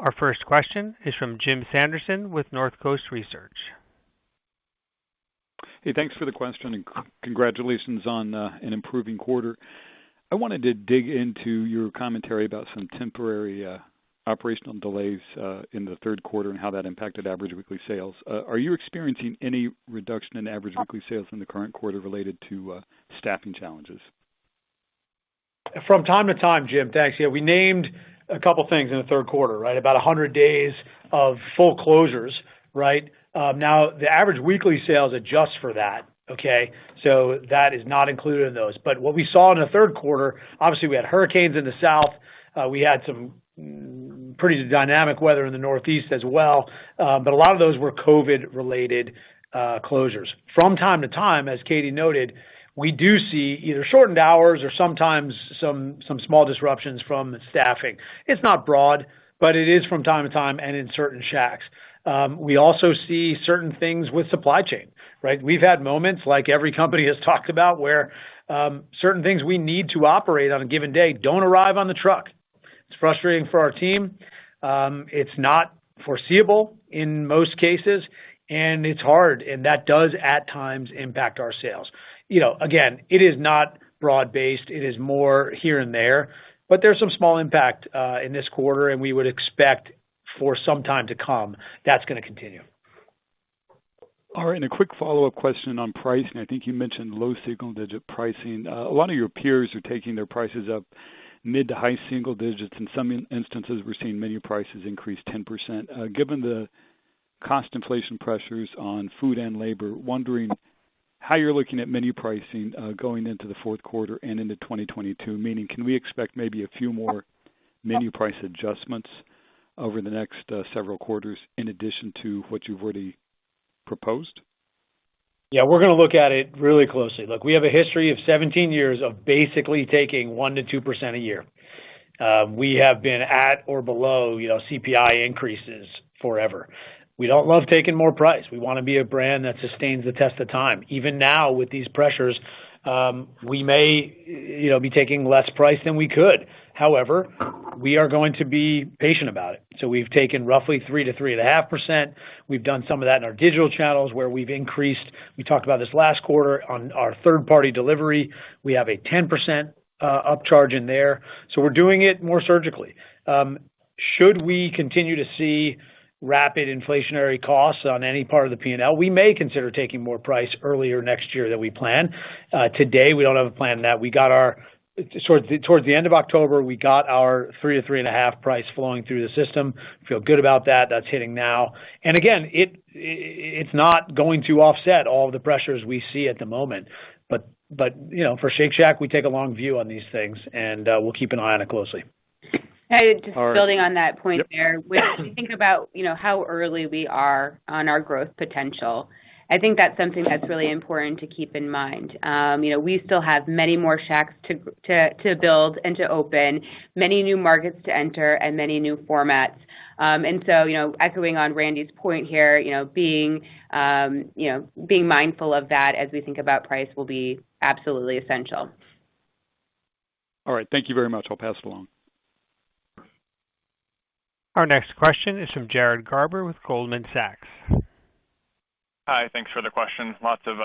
Our first question is from Jim Sanderson with Northcoast Research. Hey, thanks for the question, and congratulations on an improving quarter. I wanted to dig into your commentary about some temporary operational delays in the third quarter and how that impacted average weekly sales. Are you experiencing any reduction in average weekly sales in the current quarter related to staffing challenges? From time to time, Jim. Thanks. Yeah, we named a couple things in the third quarter, right? About 100 days of full closures, right? Now, the average weekly sales adjusts for that, okay? That is not included in those. What we saw in the third quarter, obviously, we had hurricanes in the South. We had some pretty dynamic weather in the Northeast as well. A lot of those were COVID-related closures. From time to time, as Katie noted, we do see either shortened hours or sometimes some small disruptions from staffing. It's not broad, but it is from time to time and in certain Shacks. We also see certain things with supply chain, right? We've had moments like every company has talked about where certain things we need to operate on a given day don't arrive on the truck. It's frustrating for our team. It's not foreseeable in most cases, and it's hard, and that does, at times, impact our sales. You know, again, it is not broad-based, it is more here and there. There's some small impact in this quarter, and we would expect for some time to come, that's gonna continue. All right. A quick follow-up question on pricing. I think you mentioned low single-digit pricing. A lot of your peers are taking their prices up mid- to high-single digits. In some instances, we're seeing menu prices increase 10%. Given the cost inflation pressures on food and labor, wondering how you're looking at menu pricing going into the fourth quarter and into 2022. Meaning, can we expect maybe a few more menu price adjustments over the next several quarters in addition to what you've already proposed? Yeah, we're gonna look at it really closely. Look, we have a history of 17 years of basically taking 1%-2% a year. We have been at or below, you know, CPI increases forever. We don't love taking more price. We wanna be a brand that sustains the test of time. Even now with these pressures, we may, you know, be taking less price than we could. However, we are going to be patient about it. We've taken roughly 3%-3.5%. We've done some of that in our digital channels, where we've increased. We talked about this last quarter on our third-party delivery. We have a 10% upcharge in there. We're doing it more surgically. Should we continue to see rapid inflationary costs on any part of the P&L, we may consider taking more price earlier next year than we plan. Today, we don't have a plan. Towards the end of October, we got our 3%-3.5% price flowing through the system. Feel good about that. That's hitting now. Again, it's not going to offset all the pressures we see at the moment. But you know, for Shake Shack, we take a long view on these things and we'll keep an eye on it closely. All right. Just building on that point there. Yep. When you think about, you know, how early we are on our growth potential, I think that's something that's really important to keep in mind. You know, we still have many more Shacks to build and to open, many new markets to enter and many new formats. You know, echoing on Randy's point here, you know, being mindful of that as we think about price will be absolutely essential. All right. Thank you very much. I'll pass it along. Our next question is from Jared Garber with Goldman Sachs. Hi, thanks for the questions. Lots of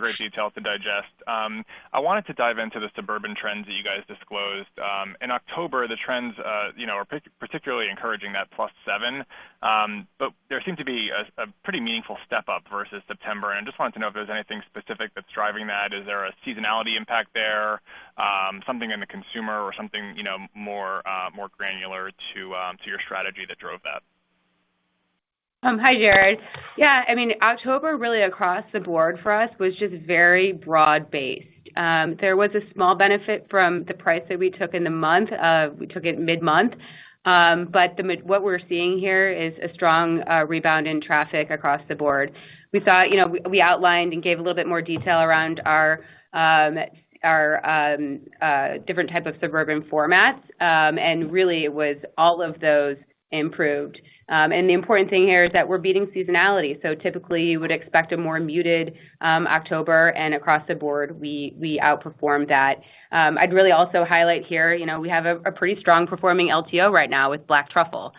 great detail to digest. I wanted to dive into the suburban trends that you guys disclosed. In October, the trends are particularly encouraging that +7%. There seemed to be a pretty meaningful step up versus September, and I just wanted to know if there's anything specific that's driving that. Is there a seasonality impact there? Something in the consumer or something more granular to your strategy that drove that? Hi, Jared. Yeah, I mean, October really across the board for us was just very broad-based. There was a small benefit from the price that we took in the month. We took it mid-month. What we're seeing here is a strong rebound in traffic across the board. We saw, you know, we outlined and gave a little bit more detail around our different type of suburban formats. Really it was all of those improved. The important thing here is that we're beating seasonality. Typically, you would expect a more muted October, and across the board, we outperformed that. I'd really also highlight here, you know, we have a pretty strong performing LTO right now with Black Truffle.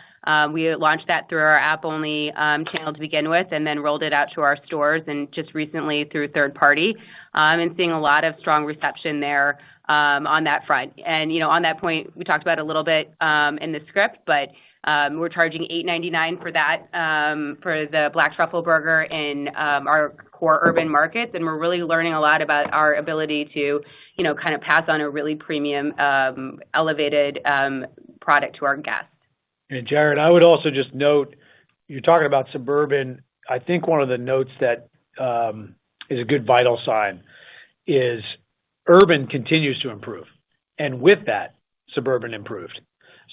We launched that through our app-only channel to begin with, and then rolled it out to our stores and just recently through third-party, seeing a lot of strong reception there, on that front. You know, on that point, we talked about a little bit in the script, but we're charging $8.99 for that, for the Black Truffle Burger in our core urban markets. We're really learning a lot about our ability to, you know, kind of pass on a really premium elevated product to our guests. Jared, I would also just note, you're talking about suburban. I think one of the notes that is a good vital sign is urban continues to improve, and with that, suburban improved.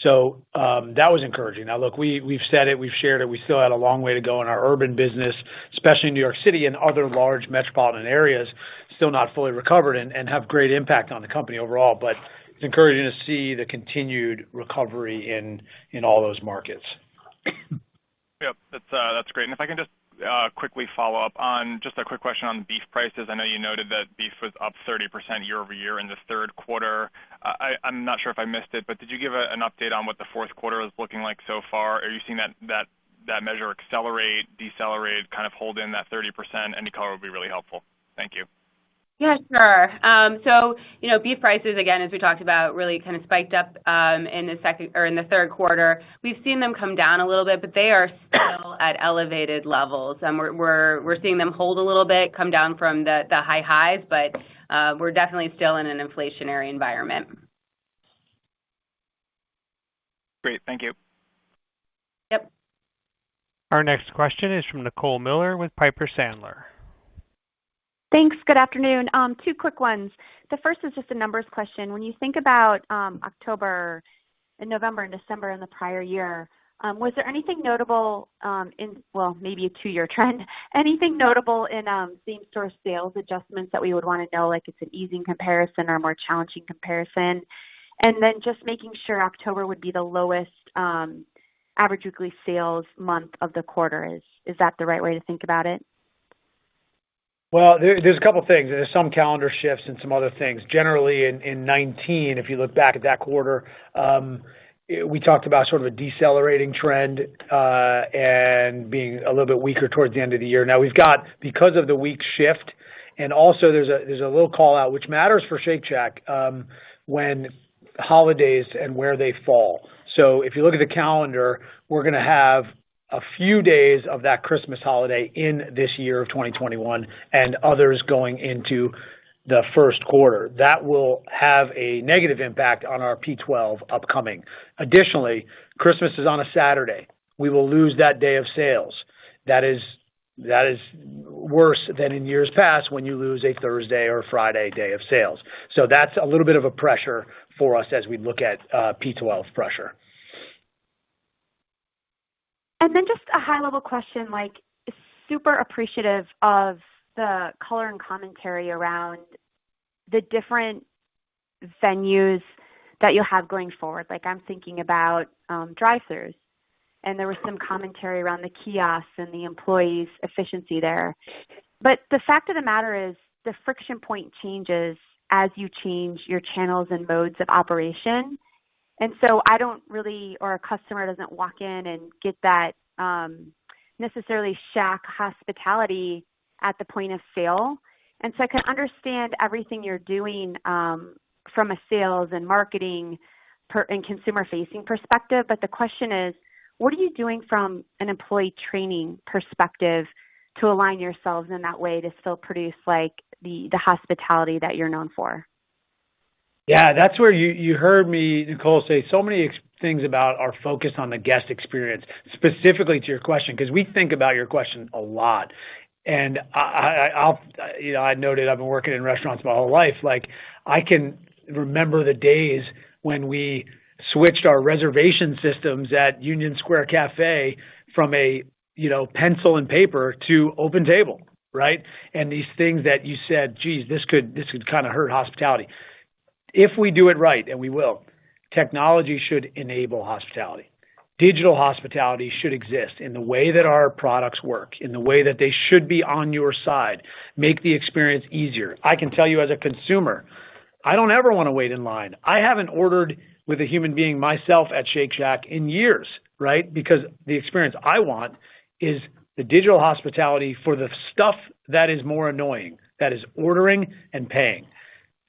That was encouraging. Now, look, we've said it, we've shared it, we still have a long way to go in our urban business, especially in New York City and other large metropolitan areas, still not fully recovered and have great impact on the company overall. It's encouraging to see the continued recovery in all those markets. Yep, that's great. If I can just quickly follow up on just a quick question on beef prices. I know you noted that beef was up 30% year-over-year in the third quarter. I'm not sure if I missed it, but did you give an update on what the fourth quarter is looking like so far? Are you seeing that measure accelerate, decelerate, kind of hold in that 30%? Any color would be really helpful. Thank you. Yeah, sure. So you know, beef prices, again, as we talked about, really kind of spiked up in the second or in the third quarter. We've seen them come down a little bit, but they are still at elevated levels. We're seeing them hold a little bit, come down from the high highs, but we're definitely still in an inflationary environment. Great. Thank you. Yep. Our next question is from Nicole Miller with Piper Sandler. Thanks. Good afternoon. Two quick ones. The first is just a numbers question. When you think about October and November and December in the prior year, was there anything notable. Well, maybe a two-year trend, anything notable in Same-Shack Sales adjustments that we would wanna know, like it's an easing comparison or a more challenging comparison. Then just making sure October would be the lowest average weekly sales month of the quarter. Is that the right way to think about it? Well, there's a couple things. There's some calendar shifts and some other things. Generally in 2019, if you look back at that quarter, we talked about sort of a decelerating trend and being a little bit weaker towards the end of the year. Now we've got because of the week shift and also there's a little call-out, which matters for Shake Shack, when holidays and where they fall. If you look at the calendar, we're gonna have a few days of that Christmas holiday in this year of 2021 and others going into the first quarter. That will have a negative impact on our P12 upcoming. Additionally, Christmas is on a Saturday. We will lose that day of sales. That is worse than in years past when you lose a Thursday or a Friday day of sales. That's a little bit of a pressure for us as we look at P-12 pressure. Just a high level question, like super appreciative of the color and commentary around the different venues that you'll have going forward. Like, I'm thinking about drive-throughs, and there was some commentary around the kiosks and the employees efficiency there. The fact of the matter is the friction point changes as you change your channels and modes of operation. I don't really, or a customer doesn't walk in and get that necessarily Shack hospitality at the point of sale. I can understand everything you're doing from a sales and marketing and consumer facing perspective, but the question is, what are you doing from an employee training perspective to align yourselves in that way to still produce like the hospitality that you're known for? Yeah, that's where you heard me, Nicole, say so many exciting things about our focus on the guest experience, specifically to your question, 'cause we think about your question a lot. I'll, you know, note I've been working in restaurants my whole life. Like, I can remember the days when we switched our reservation systems at Union Square Cafe from a, you know, pencil and paper to OpenTable, right? These things that you said, "Geez, this could kind of hurt hospitality." If we do it right, and we will, technology should enable hospitality. Digital hospitality should exist in the way that our products work, in the way that they should be on your side, make the experience easier. I can tell you as a consumer, I don't ever wanna wait in line. I haven't ordered with a human being myself at Shake Shack in years, right? Because the experience I want is the digital hospitality for the stuff that is more annoying, that is ordering and paying.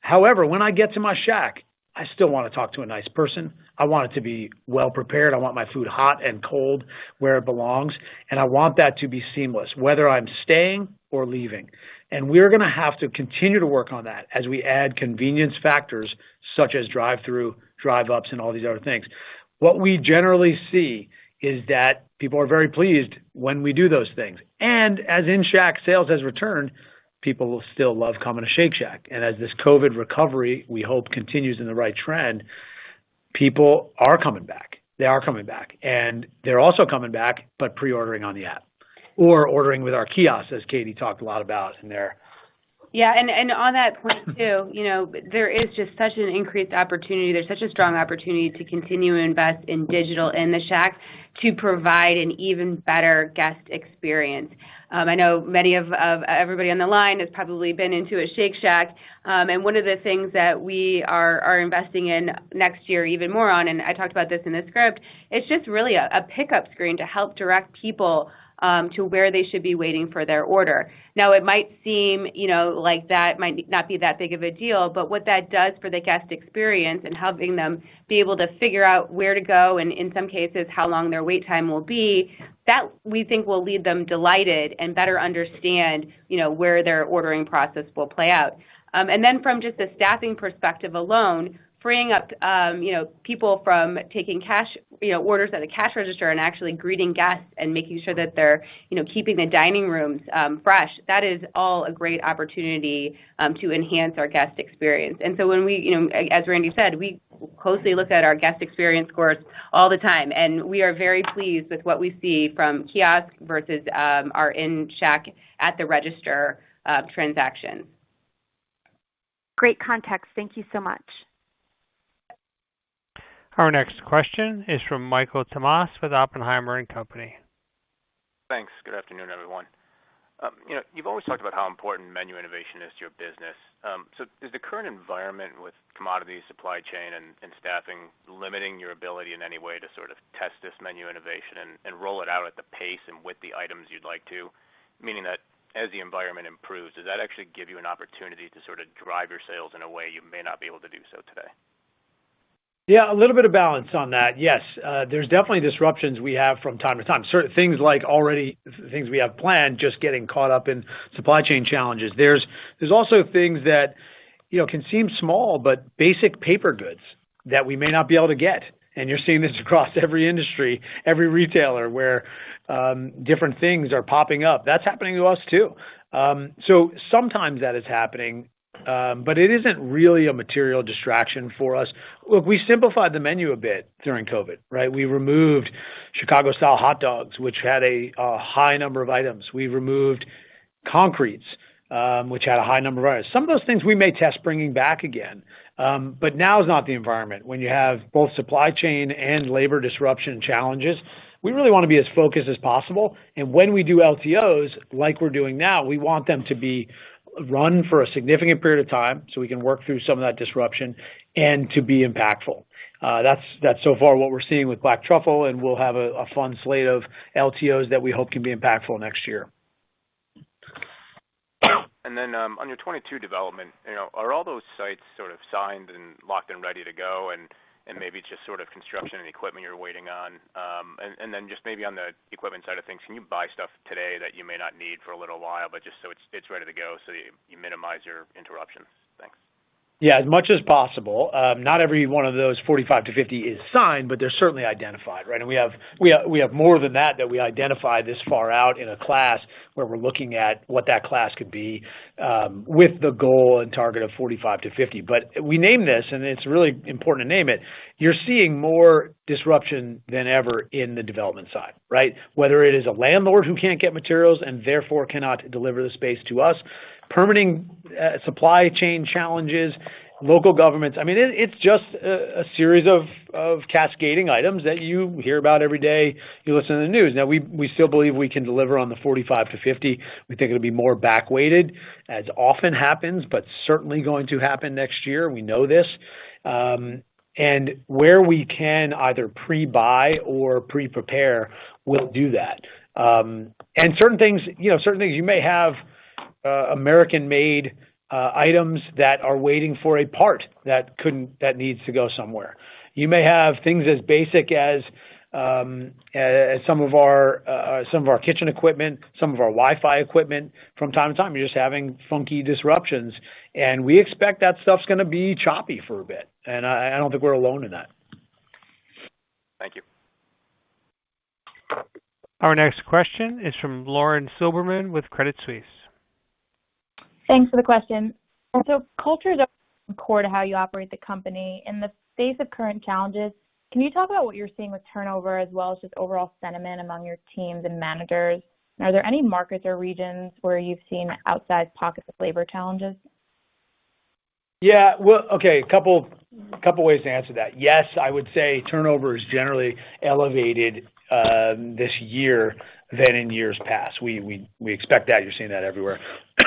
However, when I get to my Shack, I still wanna talk to a nice person, I want it to be well prepared, I want my food hot and cold where it belongs, and I want that to be seamless, whether I'm staying or leaving. We're gonna have to continue to work on that as we add convenience factors such as drive-through, drive ups, and all these other things. What we generally see is that people are very pleased when we do those things. As Same-Shack sales has returned, people will still love coming to Shake Shack. As this COVID recovery, we hope continues in the right trend, people are coming back. They are coming back. They're also coming back, but pre-ordering on the app or ordering with our kiosks, as Katie talked a lot about in there. On that point too, you know, there is just such an increased opportunity. There's such a strong opportunity to continue to invest in digital in the Shack to provide an even better guest experience. I know many of everybody on the line has probably been into a Shake Shack. One of the things that we are investing in next year even more on, and I talked about this in the script, it's just really a pickup screen to help direct people to where they should be waiting for their order. Now, it might seem, you know, like that might not be that big of a deal, but what that does for the guest experience and helping them be able to figure out where to go and in some cases, how long their wait time will be, that we think will leave them delighted and better understand, you know, where their ordering process will play out. From just a staffing perspective alone, freeing up, you know, people from taking cash, you know, orders at a cash register and actually greeting guests and making sure that they're, you know, keeping the dining rooms fresh, that is all a great opportunity to enhance our guest experience. When we, you know, as Randy said, we closely look at our guest experience scores all the time, and we are very pleased with what we see from kiosk versus our in-Shack at the register transactions. Great context. Thank you so much. Our next question is from Michael Tamas with Oppenheimer & Co. Inc. Thanks. Good afternoon, everyone. You know, you've always talked about how important menu innovation is to your business. Does the current environment with commodity supply chain and staffing limiting your ability in any way to sort of test this menu innovation and roll it out at the pace and with the items you'd like to? Meaning that as the environment improves, does that actually give you an opportunity to sort of drive your sales in a way you may not be able to do so today? Yeah, a little bit of balance on that. Yes, there's definitely disruptions we have from time to time. Certain things like already things we have planned, just getting caught up in supply chain challenges. There's also things that, you know, can seem small, but basic paper goods that we may not be able to get. You're seeing this across every industry, every retailer, where different things are popping up. That's happening to us, too. Sometimes that is happening, but it isn't really a material distraction for us. Look, we simplified the menu a bit during COVID, right? We removed Chicago-style hot dogs, which had a high number of items. We removed Concretes, which had a high number of items. Some of those things we may test bringing back again. Now is not the environment. When you have both supply chain and labor disruption challenges, we really wanna be as focused as possible. When we do LTOs, like we're doing now, we want them to be run for a significant period of time, so we can work through some of that disruption and to be impactful. That's so far what we're seeing with Black Truffle, and we'll have a fun slate of LTOs that we hope can be impactful next year. On your 2022 development, you know, are all those sites sort of signed and locked and ready to go, and maybe just sort of construction and equipment you're waiting on? Just maybe on the equipment side of things, can you buy stuff today that you may not need for a little while, but just so it's ready to go so you minimize your interruptions? Thanks. Yeah, as much as possible. Not every one of those 45-50 is signed, but they're certainly identified, right? We have more than that we identify this far out in a class where we're looking at what that class could be, with the goal and target of 45-50. We named this, and it's really important to name it. You're seeing more disruption than ever in the development side, right? Whether it is a landlord who can't get materials and therefore cannot deliver the space to us, permitting, supply chain challenges, local governments. I mean, it's just a series of cascading items that you hear about every day if you listen to the news. Now, we still believe we can deliver on the 45-50. We think it'll be more back-weighted, as often happens, but certainly going to happen next year. We know this. Where we can either pre-buy or pre-prepare, we'll do that. Certain things, you know, you may have American-made items that are waiting for a part that needs to go somewhere. You may have things as basic as some of our kitchen equipment, some of our Wi-Fi equipment from time to time. You're just having funky disruptions. We expect that stuff's gonna be choppy for a bit, and I don't think we're alone in that. Thank you. Our next question is from Lauren Silberman with Credit Suisse. Thanks for the question. Culture is core to how you operate the company. In the face of current challenges, can you talk about what you're seeing with turnover as well as just overall sentiment among your teams and managers? Are there any markets or regions where you've seen outsize pockets of labor challenges? Yeah. Well, okay, a couple ways to answer that. Yes, I would say turnover is generally elevated this year than in years past. We expect that. You're seeing that everywhere.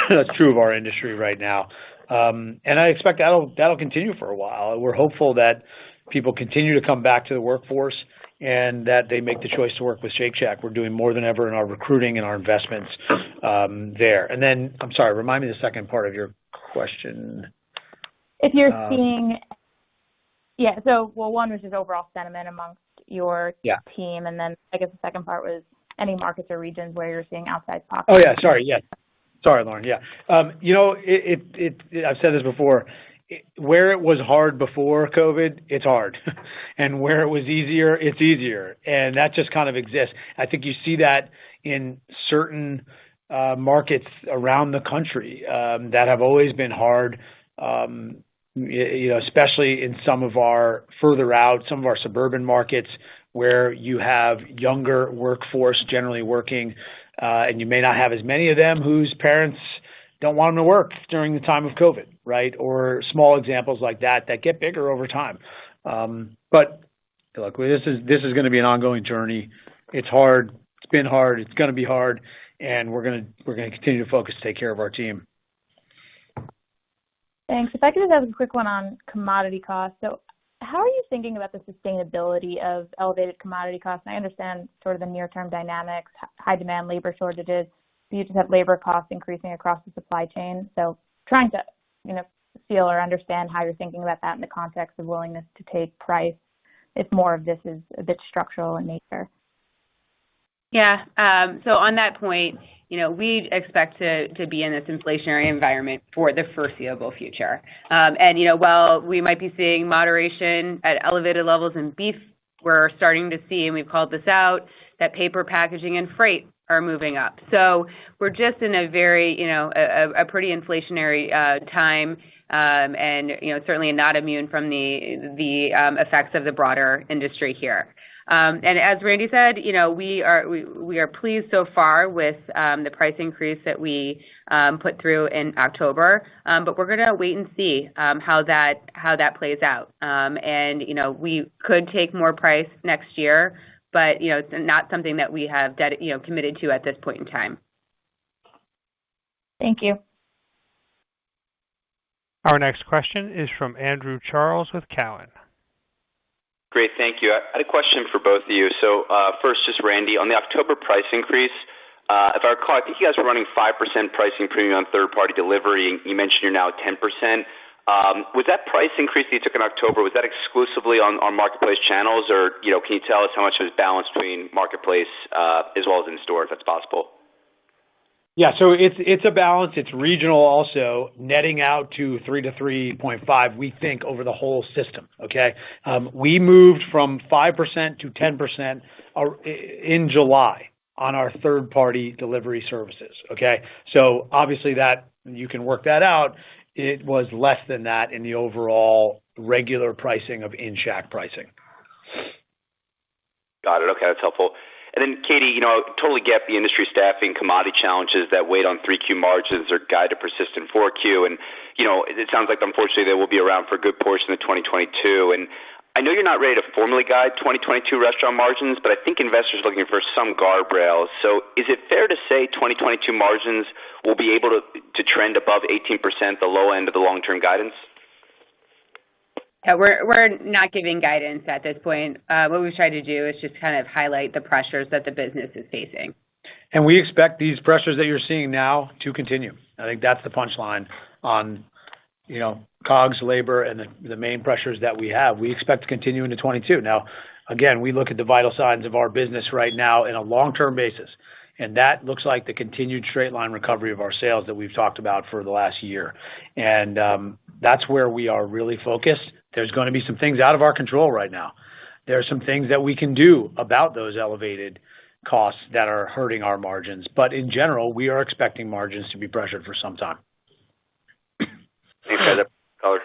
That's true of our industry right now. I expect that'll continue for a while. We're hopeful that people continue to come back to the workforce and that they make the choice to work with Shake Shack. We're doing more than ever in our recruiting and our investments there. Then, I'm sorry, remind me the second part of your question. If you're seeing. Yeah. Well, one, which is overall sentiment among your- Yeah... team. I guess the second part was any markets or regions where you're seeing outside pockets- Oh, yeah, sorry. Yeah. Sorry, Lauren. Yeah. You know, it—I've said this before. Where it was hard before COVID, it's hard. Where it was easier, it's easier. That just kind of exists. I think you see that in certain markets around the country that have always been hard, you know, especially in some of our further out, some of our suburban markets where you have younger workforce generally working, and you may not have as many of them whose parents don't want them to work during the time of COVID, right? Or small examples like that that get bigger over time. Look, this is gonna be an ongoing journey. It's hard. It's been hard. It's gonna be hard, and we're gonna continue to focus to take care of our team. Thanks. If I could just have a quick one on commodity costs. How are you thinking about the sustainability of elevated commodity costs? I understand sort of the near-term dynamics, high demand, labor shortages. You just have labor costs increasing across the supply chain, trying to, you know, feel or understand how you're thinking about that in the context of willingness to take price if more of this is a bit structural in nature. On that point, you know, we expect to be in this inflationary environment for the foreseeable future. You know, while we might be seeing moderation at elevated levels in beef, we're starting to see, and we've called this out, that paper packaging and freight are moving up. We're just in a very, you know, a pretty inflationary time, you know, certainly not immune from the effects of the broader industry here. As Randy said, you know, we are pleased so far with the price increase that we put through in October. We're gonna wait and see how that plays out. You know, we could take more price next year, but you know, it's not something that we have committed to at this point in time. Thank you. Our next question is from Andrew Charles with Cowen. Great. Thank you. I had a question for both of you. First, just Randy, on the October price increase, if I recall, I think you guys were running 5% pricing premium on third-party delivery, and you mentioned you're now at 10%. Was that price increase that you took in October exclusively on marketplace channels? You know, can you tell us how much it was balanced between marketplace as well as in-store, if that's possible? Yeah. It's a balance. It's regional also, netting out to 3%-3.5%, we think, over the whole system, okay? We moved from 5% to 10% in July on our third party delivery services, okay? Obviously that, you can work that out. It was less than that in the overall regular pricing of in-shack pricing. Got it. Okay. That's helpful. Katie, you know, totally get the industry staffing commodity challenges that weighed on Q3 margins and guide to persistent Q4. You know, it sounds like unfortunately they will be around for a good portion of 2022. I know you're not ready to formally guide 2022 restaurant margins, but I think investors are looking for some guardrails. Is it fair to say 2022 margins will be able to to trend above 18%, the low end of the long-term guidance? Yeah, we're not giving guidance at this point. What we've tried to do is just kind of highlight the pressures that the business is facing. We expect these pressures that you're seeing now to continue. I think that's the punchline on, you know, COGS, labor, and the main pressures that we have. We expect to continue into 2022. Now, again, we look at the vital signs of our business right now in a long term basis, and that looks like the continued straight line recovery of our sales that we've talked about for the last year. That's where we are really focused. There's gonna be some things out of our control right now. There are some things that we can do about those elevated costs that are hurting our margins. In general, we are expecting margins to be pressured for some time. Thanks for the color.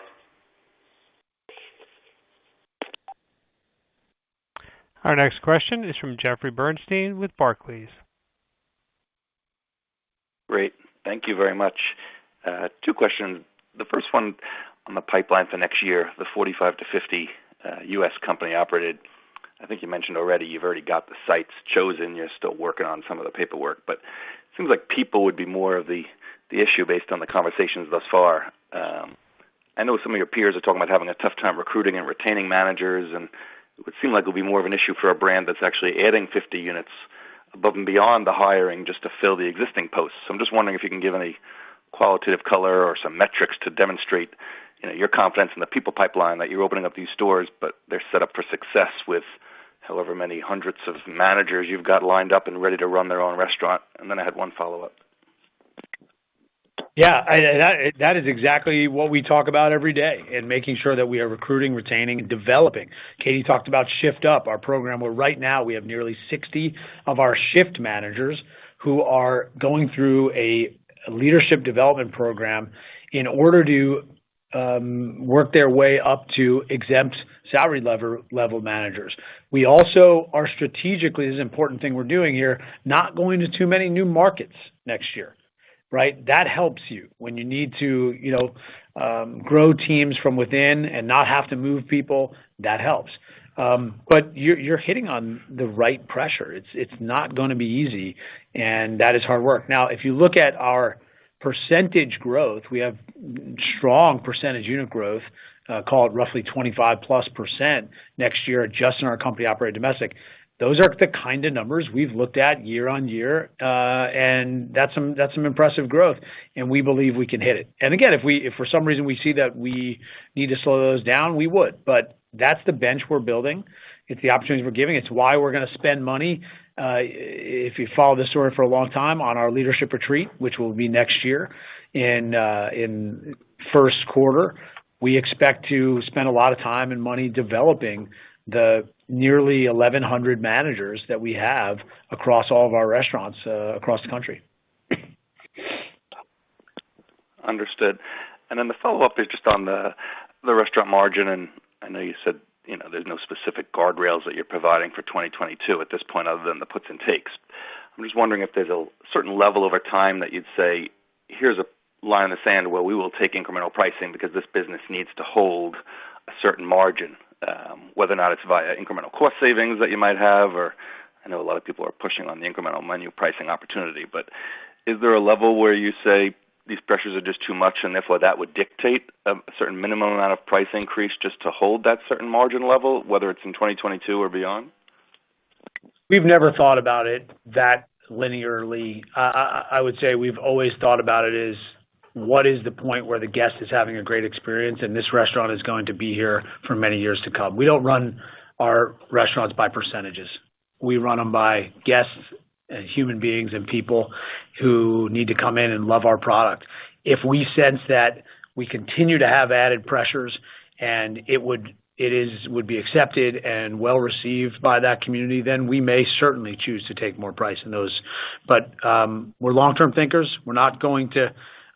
Our next question is from Jeffrey Bernstein with Barclays. Great. Thank you very much. Two questions. The first one on the pipeline for next year, the 45-50 U.S. company-operated. I think you mentioned already you've already got the sites chosen. You're still working on some of the paperwork. Seems like people would be more of the issue based on the conversations thus far. I know some of your peers are talking about having a tough time recruiting and retaining managers, and it would seem like it'll be more of an issue for a brand that's actually adding 50 units above and beyond the hiring just to fill the existing posts. I'm just wondering if you can give any qualitative color or some metrics to demonstrate, you know, your confidence in the people pipeline that you're opening up these stores, but they're set up for success with however many hundreds of managers you've got lined up and ready to run their own restaurant. Then I had one follow-up. Yeah, that is exactly what we talk about every day in making sure that we are recruiting, retaining, and developing. Katie talked about Shift Up, our program, where right now we have nearly 60 of our shift managers who are going through a leadership development program in order to work their way up to exempt salary level managers. We also are strategically, this is an important thing we're doing here, not going to too many new markets next year, right? That helps you when you need to, you know, grow teams from within and not have to move people, that helps. You're hitting on the right pressure. It's not gonna be easy, and that is hard work. Now, if you look at our percentage growth, we have strong percentage unit growth, call it roughly 25%+ next year just in our company-operated domestic. Those are the kind of numbers we've looked at year-on-year, and that's some impressive growth, and we believe we can hit it. Again, if for some reason we see that we need to slow those down, we would. That's the bench we're building. It's the opportunities we're giving. It's why we're gonna spend money. If you follow this story for a long time on our leadership retreat, which will be next year in first quarter, we expect to spend a lot of time and money developing the nearly 1,100 managers that we have across all of our restaurants, across the country. Understood. Then the follow-up is just on the restaurant margin. I know you said, you know, there's no specific guardrails that you're providing for 2022 at this point other than the puts and takes. I'm just wondering if there's a certain level over time that you'd say, "Here's a line in the sand where we will take incremental pricing because this business needs to hold a certain margin," whether or not it's via incremental cost savings that you might have, or I know a lot of people are pushing on the incremental menu pricing opportunity. Is there a level where you say these pressures are just too much, and if what that would dictate a certain minimum amount of price increase just to hold that certain margin level, whether it's in 2022 or beyond? We've never thought about it that linearly. I would say we've always thought about it as what is the point where the guest is having a great experience and this restaurant is going to be here for many years to come. We don't run our restaurants by percentages. We run them by guests and human beings and people who need to come in and love our product. If we sense that we continue to have added pressures and it would be accepted and well received by that community, then we may certainly choose to take more price than those. We're long-term thinkers. We're not going to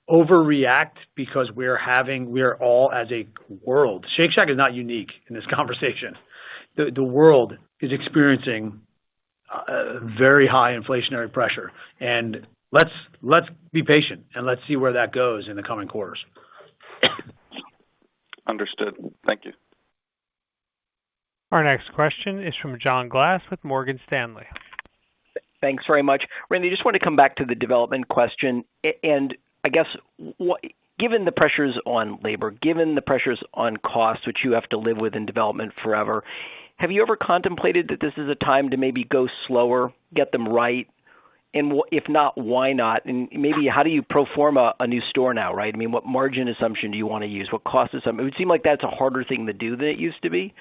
overreact because we're all as a world. Shake Shack is not unique in this conversation. The world is experiencing very high inflationary pressure. Let's be patient, and let's see where that goes in the coming quarters. Understood. Thank you. Our next question is from John Glass with Morgan Stanley. Thanks very much. Randy, I just want to come back to the development question. I guess given the pressures on labor, given the pressures on costs, which you have to live with in development forever, have you ever contemplated that this is a time to maybe go slower, get them right? If not, why not? Maybe how do you pro forma a new store now, right? I mean, what margin assumption do you want to use? What cost assumption? It would seem like that's a harder thing to do than it used to be.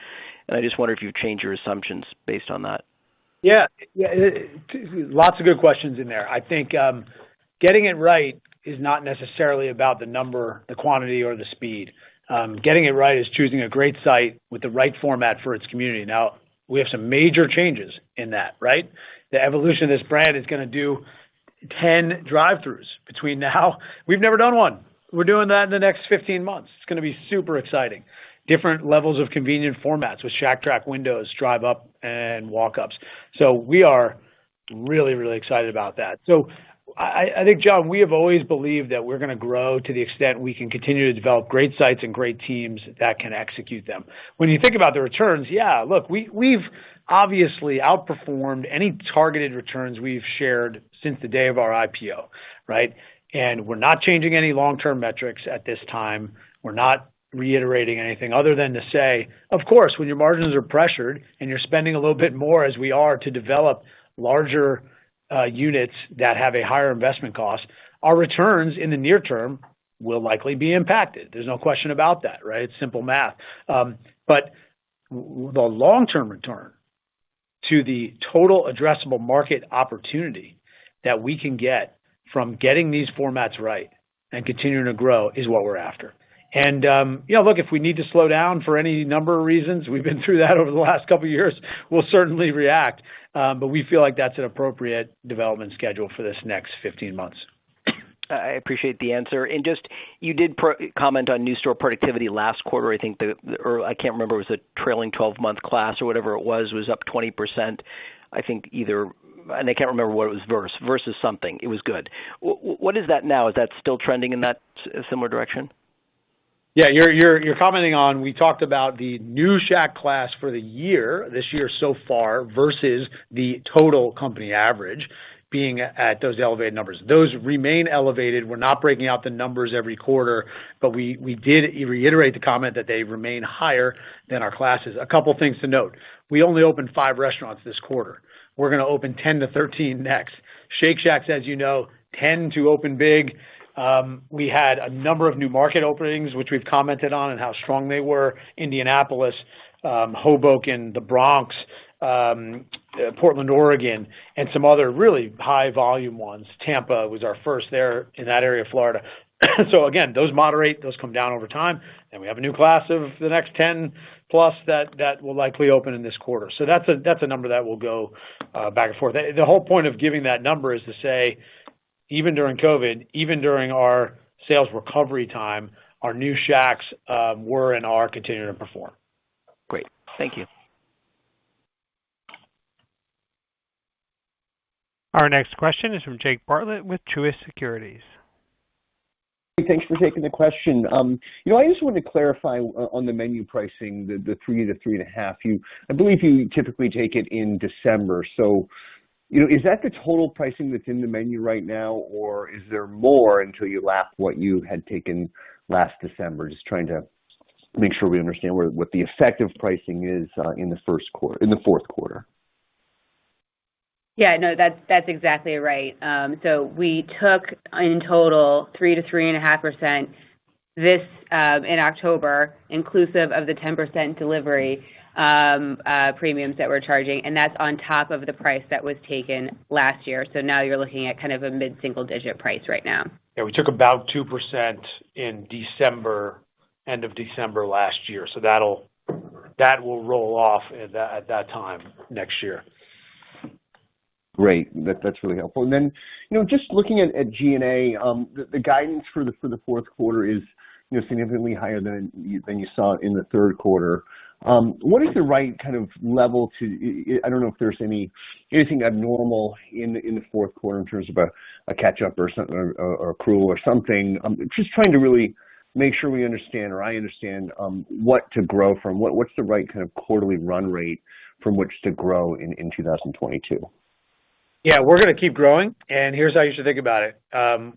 I just wonder if you've changed your assumptions based on that. Yeah. Lots of good questions in there. I think getting it right is not necessarily about the number, the quantity, or the speed. Getting it right is choosing a great site with the right format for its community. Now, we have some major changes in that, right? The evolution of this brand is gonna do 10 drive-thrus between now. We've never done one. We're doing that in the next 15 months. It's gonna be super exciting. Different levels of convenient formats with Shack Track windows, drive-up, and walk-ups. We are really, really excited about that. I think, John, we have always believed that we're gonna grow to the extent we can continue to develop great sites and great teams that can execute them. When you think about the returns, yeah, look, we've obviously outperformed any targeted returns we've shared since the day of our IPO, right? We're not changing any long-term metrics at this time. We're not reiterating anything other than to say, of course, when your margins are pressured and you're spending a little bit more as we are to develop larger units that have a higher investment cost, our returns in the near term will likely be impacted. There's no question about that, right? It's simple math. But the long-term return to the total addressable market opportunity that we can get from getting these formats right and continuing to grow is what we're after. You know, look, if we need to slow down for any number of reasons, we've been through that over the last couple of years, we'll certainly react. We feel like that's an appropriate development schedule for this next 15 months. I appreciate the answer. Just, you did comment on new store productivity last quarter. I think or I can't remember it was a trailing twelve-month sales or whatever it was up 20%. I think either. I can't remember what it was versus. Versus something. It was good. What is that now? Is that still trending in that similar direction? Yeah. You're commenting on we talked about the new Shack class for the year, this year so far versus the total company average being at those elevated numbers. Those remain elevated. We're not breaking out the numbers every quarter, but we did reiterate the comment that they remain higher than our classes. A couple of things to note. We only opened five restaurants this quarter. We're gonna open 10-13 next. Shake Shacks, as you know, tend to open big. We had a number of new market openings, which we've commented on and how strong they were. Indianapolis, Hoboken, the Bronx, Portland, Oregon, and some other really high volume ones. Tampa was our first there in that area of Florida. Again, those moderate and come down over time. We have a new class of the next 10 plus that will likely open in this quarter. That's a number that will go back and forth. The whole point of giving that number is to say, even during COVID, even during our sales recovery time, our new Shacks were and are continuing to perform. Great. Thank you. Our next question is from Jake Bartlett with Truist Securities. Thanks for taking the question. You know, I just wanted to clarify on the menu pricing, the 3%-3.5%. I believe you typically take it in December. You know, is that the total pricing that's in the menu right now, or is there more until you lap what you had taken last December? Just trying to make sure we understand what the effect of pricing is in the fourth quarter. Yeah. No, that's exactly right. We took in total 3%-3.5% in October, inclusive of the 10% delivery premiums that we're charging, and that's on top of the price that was taken last year. Now you're looking at kind of a mid-single digit price right now. Yeah. We took about 2% in December, end of December last year. That'll roll off at that time next year. Great. That's really helpful. Then, you know, just looking at G&A, the guidance for the fourth quarter is, you know, significantly higher than you saw in the third quarter. What is the right kind of level? I don't know if there's anything abnormal in the fourth quarter in terms of a catch-up or something or accrual or something. Just trying to really make sure we understand or I understand what to grow from. What's the right kind of quarterly run rate from which to grow in 2022? Yeah, we're gonna keep growing, and here's how you should think about it.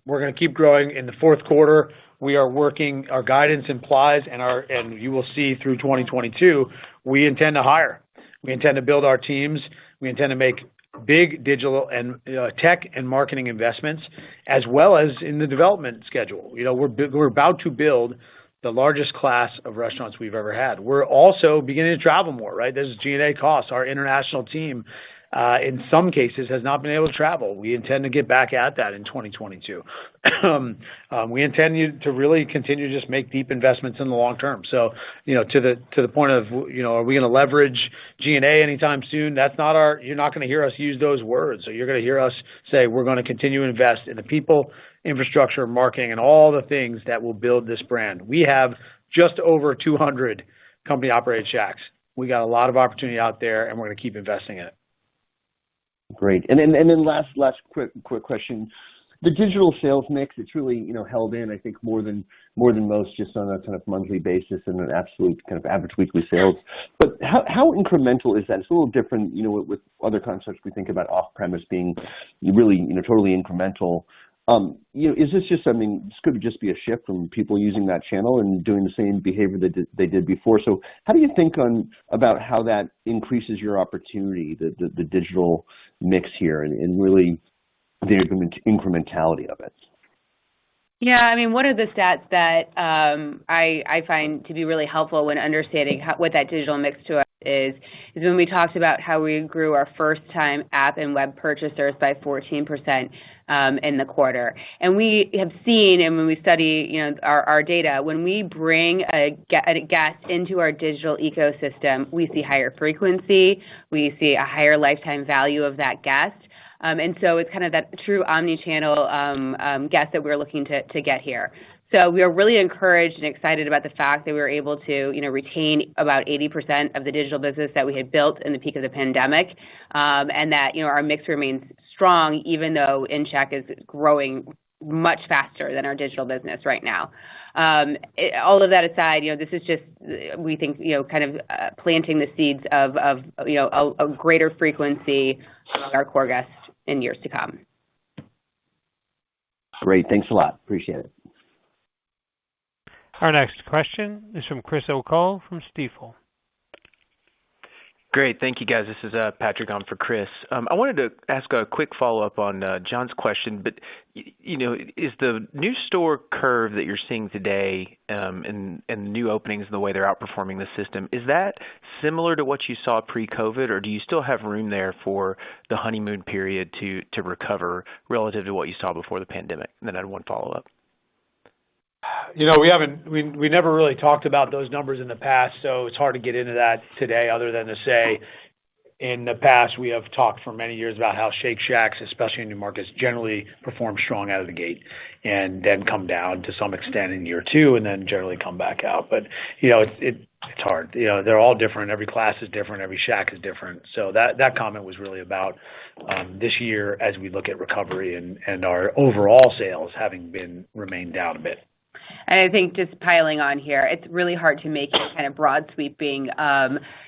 We're gonna keep growing in the fourth quarter. We are working our guidance implies and you will see through 2022, we intend to hire. We intend to build our teams. We intend to make big digital and tech and marketing investments, as well as in the development schedule. You know, we're about to build the largest class of restaurants we've ever had. We're also beginning to travel more, right? There's G&A costs. Our international team, in some cases, has not been able to travel. We intend to get back at that in 2022. We intend to really continue to just make deep investments in the long term. You know, to the point of you know, are we gonna leverage G&A anytime soon? You're not gonna hear us use those words. You're gonna hear us say we're gonna continue to invest in the people, infrastructure, marketing, and all the things that will build this brand. We have just over 200 company-operated Shacks. We got a lot of opportunity out there, and we're gonna keep investing in it. Great. Then last quick question. The digital sales mix, it's really, you know, held up, I think, more than most, just on a kind of monthly basis and an absolute kind of average weekly sales. How incremental is that? It's a little different, you know, with other concepts we think about off-premise being really, you know, totally incremental. You know, is this just a shift from people using that channel and doing the same behavior they did before. How do you think about how that increases your opportunity, the digital mix here and really the incrementality of it? Yeah. I mean, one of the stats that I find to be really helpful when understanding how what that digital mix to us is when we talked about how we grew our first-time app and web purchasers by 14% in the quarter. We have seen, when we study, you know, our data, when we bring a guest into our digital ecosystem, we see higher frequency, we see a higher lifetime value of that guest. It's kind of that true omni-channel guest that we're looking to get here. We are really encouraged and excited about the fact that we were able to, you know, retain about 80% of the digital business that we had built in the peak of the pandemic, and that, you know, our mix remains strong even though in-Shack is growing much faster than our digital business right now. All of that aside, you know, this is just we think, you know, kind of, planting the seeds of, you know, a greater frequency among our core guests in years to come. Great. Thanks a lot. Appreciate it. Our next question is from Chris O'Cull from Stifel. Great. Thank you, guys. This is Patrick on for Chris. I wanted to ask a quick follow-up on John's question, but you know, is the new store curve that you're seeing today, and new openings and the way they're outperforming the system, is that similar to what you saw pre-COVID, or do you still have room there for the honeymoon period to recover relative to what you saw before the pandemic? And then I have one follow-up. You know, we never really talked about those numbers in the past, so it's hard to get into that today other than to say in the past, we have talked for many years about how Shake Shacks, especially in new markets, generally perform strong out of the gate and then come down to some extent in year two and then generally come back out. You know, it's hard. You know, they're all different. Every class is different. Every Shack is different. So that comment was really about this year as we look at recovery and our overall sales having remained down a bit. I think just piling on here, it's really hard to make kind of broad sweeping,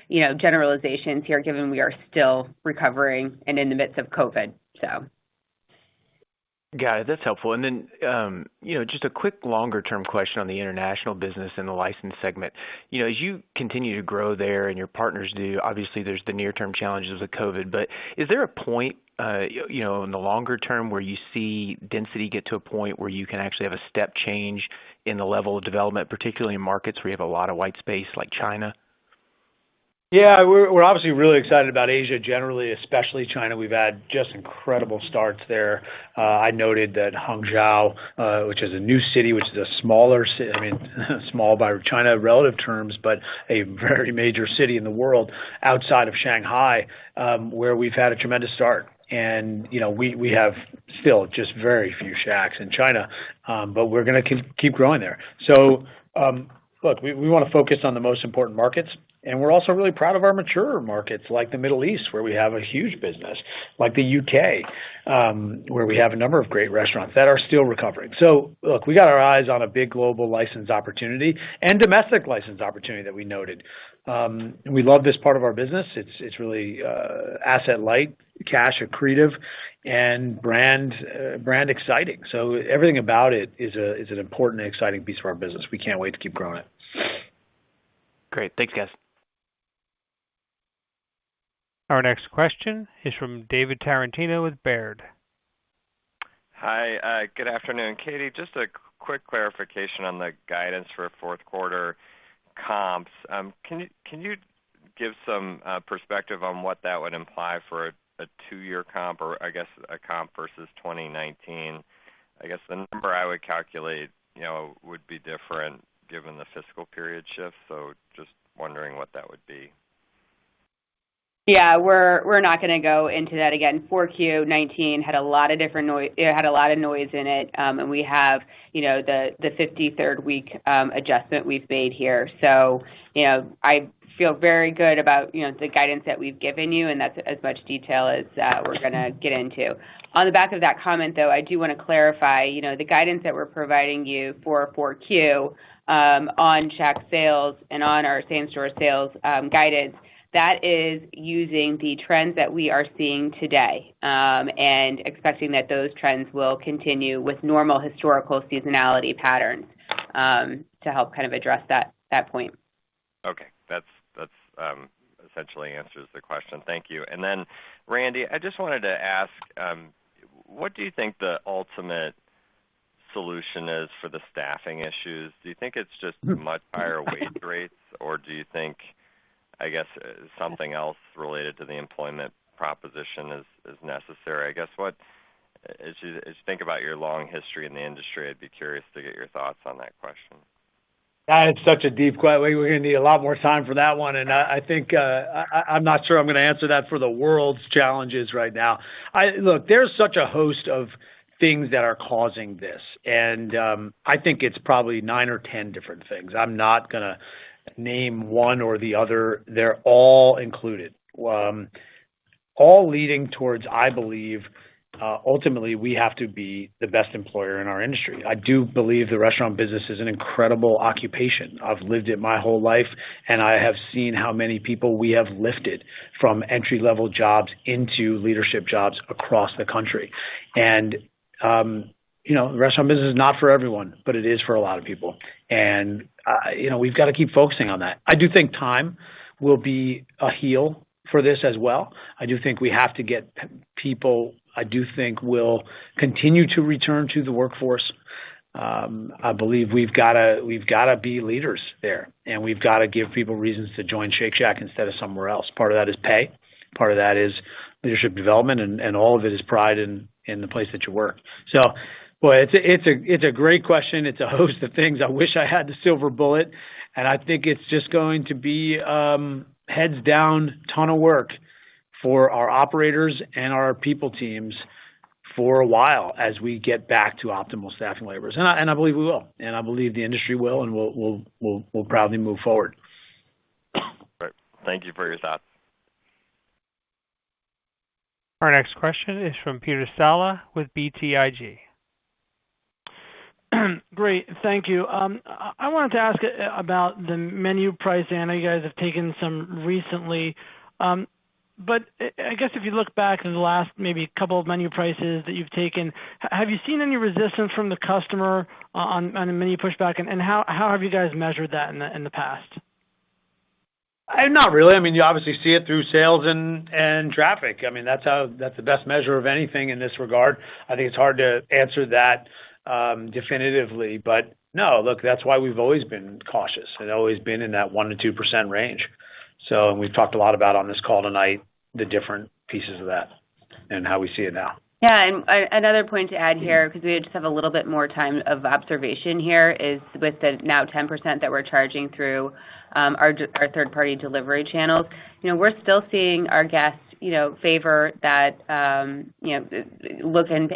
you know, generalizations here, given we are still recovering and in the midst of COVID, so. Got it. That's helpful. Then, you know, just a quick longer-term question on the international business and the license segment. You know, as you continue to grow there and your partners do, obviously there's the near-term challenges of COVID. But is there a point, you know, in the longer term where you see density get to a point where you can actually have a step change in the level of development, particularly in markets where you have a lot of white space like China? Yeah. We're obviously really excited about Asia generally, especially China. We've had just incredible starts there. I noted that Hangzhou, which is a new city, which is a smaller city, I mean, small by China relative terms, but a very major city in the world outside of Shanghai, where we've had a tremendous start. You know, we have still just very few Shacks in China, but we're gonna keep growing there. Look, we wanna focus on the most important markets, and we're also really proud of our mature markets like the Middle East, where we have a huge business, like the U.K., where we have a number of great restaurants that are still recovering. Look, we got our eyes on a big global license opportunity and domestic license opportunity that we noted. We love this part of our business. It's really asset light, cash accretive and brand exciting. Everything about it is an important and exciting piece of our business. We can't wait to keep growing it. Great. Thanks, guys. Our next question is from David Tarantino with Baird. Hi. Good afternoon. Katie, just a quick clarification on the guidance for fourth quarter comps. Can you give some perspective on what that would imply for a two-year comp or I guess a comp versus 2019? I guess the number I would calculate, you know, would be different given the fiscal period shift. Just wondering what that would be. Yeah, we're not gonna go into that again. 4Q 2019 had a lot of different noise in it. It had a lot of noise in it. We have the 53rd week adjustment we've made here. I feel very good about the guidance that we've given you, and that's as much detail as we're gonna get into. On the back of that comment, though, I do wanna clarify the guidance that we're providing you for 4Q on Shack sales and on our same-store sales guidance, that is using the trends that we are seeing today, and expecting that those trends will continue with normal historical seasonality patterns, to help kind of address that point. Okay. That essentially answers the question. Thank you. Then, Randy, I just wanted to ask what you think the ultimate solution is for the staffing issues. Do you think it's just much higher wage rates? Or do you think, I guess, something else related to the employment proposition is necessary. As you think about your long history in the industry, I'd be curious to get your thoughts on that question. We're gonna need a lot more time for that one. I think I'm not sure I'm gonna answer that for the world's challenges right now. Look, there's such a host of things that are causing this, and I think it's probably nine or 10 different things. I'm not gonna name one or the other. They're all included. All leading towards, I believe, ultimately, we have to be the best employer in our industry. I do believe the restaurant business is an incredible occupation. I've lived it my whole life, and I have seen how many people we have lifted from entry-level jobs into leadership jobs across the country. You know, restaurant business is not for everyone, but it is for a lot of people. You know, we've gotta keep focusing on that. I do think time will be a healer for this as well. I do think we have to get people. I do think they will continue to return to the workforce. I believe we've gotta be leaders there, and we've gotta give people reasons to join Shake Shack instead of somewhere else. Part of that is pay, part of that is leadership development, and all of it is pride in the place that you work. Boy, it's a great question. It's a host of things. I wish I had the silver bullet, and I think it's just going to be heads down, ton of work for our operators and our people teams for a while as we get back to optimal staffing levels. I believe we will, and I believe the industry will and we'll proudly move forward. Right. Thank you for your thoughts. Our next question is from Peter Saleh with BTIG. Great. Thank you. I wanted to ask about the menu price. I know you guys have taken some recently. I guess if you look back at the last maybe couple of menu prices that you've taken, have you seen any resistance from the customer on the menu pushback, and how have you guys measured that in the past? Not really. I mean, you obviously see it through sales and traffic. I mean, that's how. That's the best measure of anything in this regard. I think it's hard to answer that definitively, but no. Look, that's why we've always been cautious and always been in that 1%-2% range. We've talked a lot about, on this call tonight, the different pieces of that and how we see it now. Yeah, another point to add here, because we just have a little bit more time of observation here, is with the now 10% that we're charging through our third-party delivery channels. You know, we're still seeing our guests, you know, favor that, you know, look and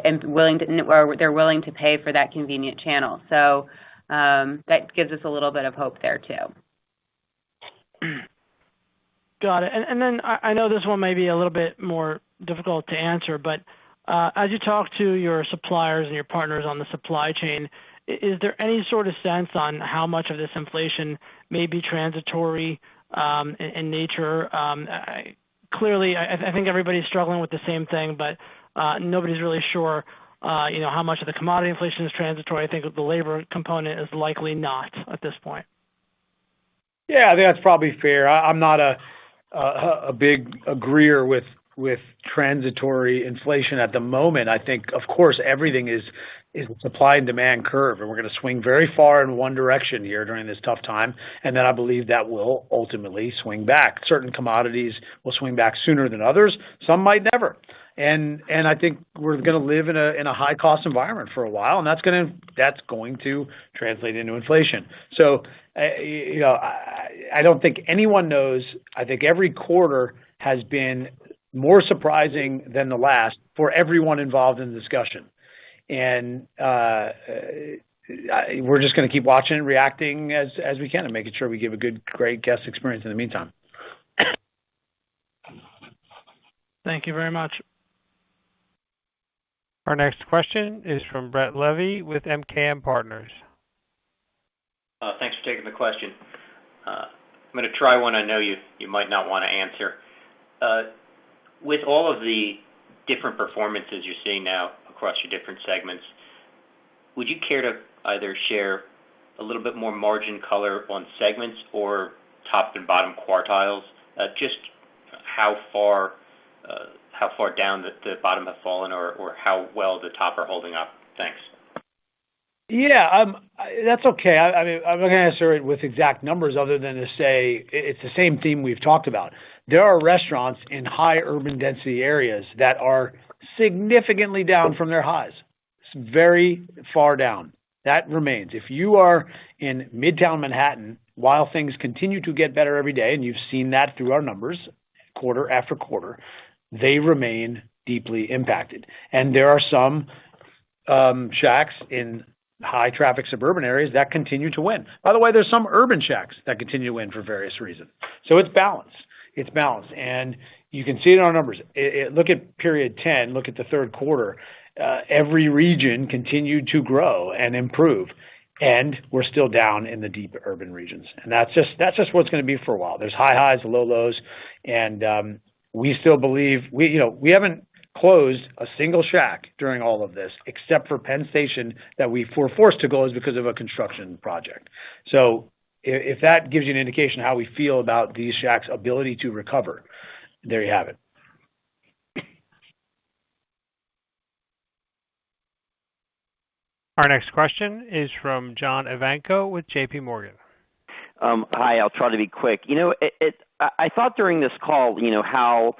they're willing to pay for that convenient channel. That gives us a little bit of hope there, too. Got it. I know this one may be a little bit more difficult to answer, but as you talk to your suppliers and your partners on the supply chain, is there any sort of sense on how much of this inflation may be transitory, in nature? Clearly, I think everybody's struggling with the same thing, but nobody's really sure, you know, how much of the commodity inflation is transitory. I think the labor component is likely not at this point. Yeah, I think that's probably fair. I'm not a big agreer with transitory inflation at the moment. I think, of course, everything is supply and demand curve, and we're gonna swing very far in one direction here during this tough time. Then I believe that will ultimately swing back. Certain commodities will swing back sooner than others. Some might never. I think we're gonna live in a high-cost environment for a while, and that's going to translate into inflation. You know, I don't think anyone knows. I think every quarter has been more surprising than the last for everyone involved in the discussion. We're just gonna keep watching and reacting as we can and making sure we give a great guest experience in the meantime. Thank you very much. Our next question is from Brett Levy with MKM Partners. Thanks for taking the question. I'm gonna try one I know you might not wanna answer. With all of the different performances you're seeing now across your different segments, would you care to either share a little bit more margin color on segments or top and bottom quartiles, just how far down the bottom have fallen or how well the top are holding up? Thanks. Yeah. That's okay. I mean, I'm not gonna answer it with exact numbers other than to say it's the same theme we've talked about. There are restaurants in high urban density areas that are significantly down from their highs. It's very far down. That remains. If you are in Midtown Manhattan, while things continue to get better every day, and you've seen that through our numbers quarter after quarter, they remain deeply impacted. There are some Shacks in high traffic suburban areas that continue to win. By the way, there are some urban Shacks that continue to win for various reasons. It's balanced. It's balanced, and you can see it in our numbers. Look at period 10, look at the third quarter, every region continued to grow and improve, and we're still down in the deep urban regions. That's just what it's gonna be for a while. There's high highs and low lows, and we still believe. We, you know, we haven't closed a single Shack during all of this, except for Penn Station, that we were forced to close because of a construction project. If that gives you an indication of how we feel about these Shack's ability to recover, there you have it. Our next question is from John Ivankoe with JPMorgan. Hi, I'll try to be quick. You know, I thought during this call, you know, how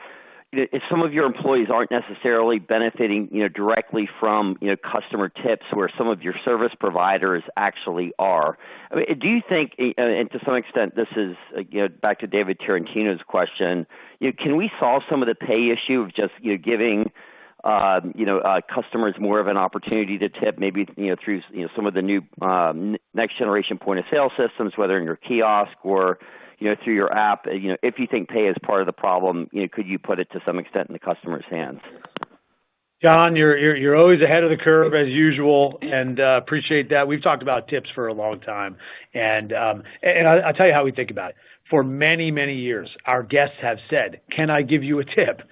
if some of your employees aren't necessarily benefiting, you know, directly from, you know, customer tips where some of your service providers actually are. I mean, do you think, and to some extent, this is, you know, back to David Tarantino's question, you know, can we solve some of the pay issue of just, you know, giving, you know, customers more of an opportunity to tip maybe, you know, through, you know, some of the new, next generation point of sale systems, whether in your kiosk or, you know, through your app. You know, if you think pay is part of the problem, you know, could you put it to some extent in the customer's hands? John, you're always ahead of the curve as usual, and appreciate that. We've talked about tips for a long time, and I'll tell you how we think about it. For many years, our guests have said, "Can I give you a tip?"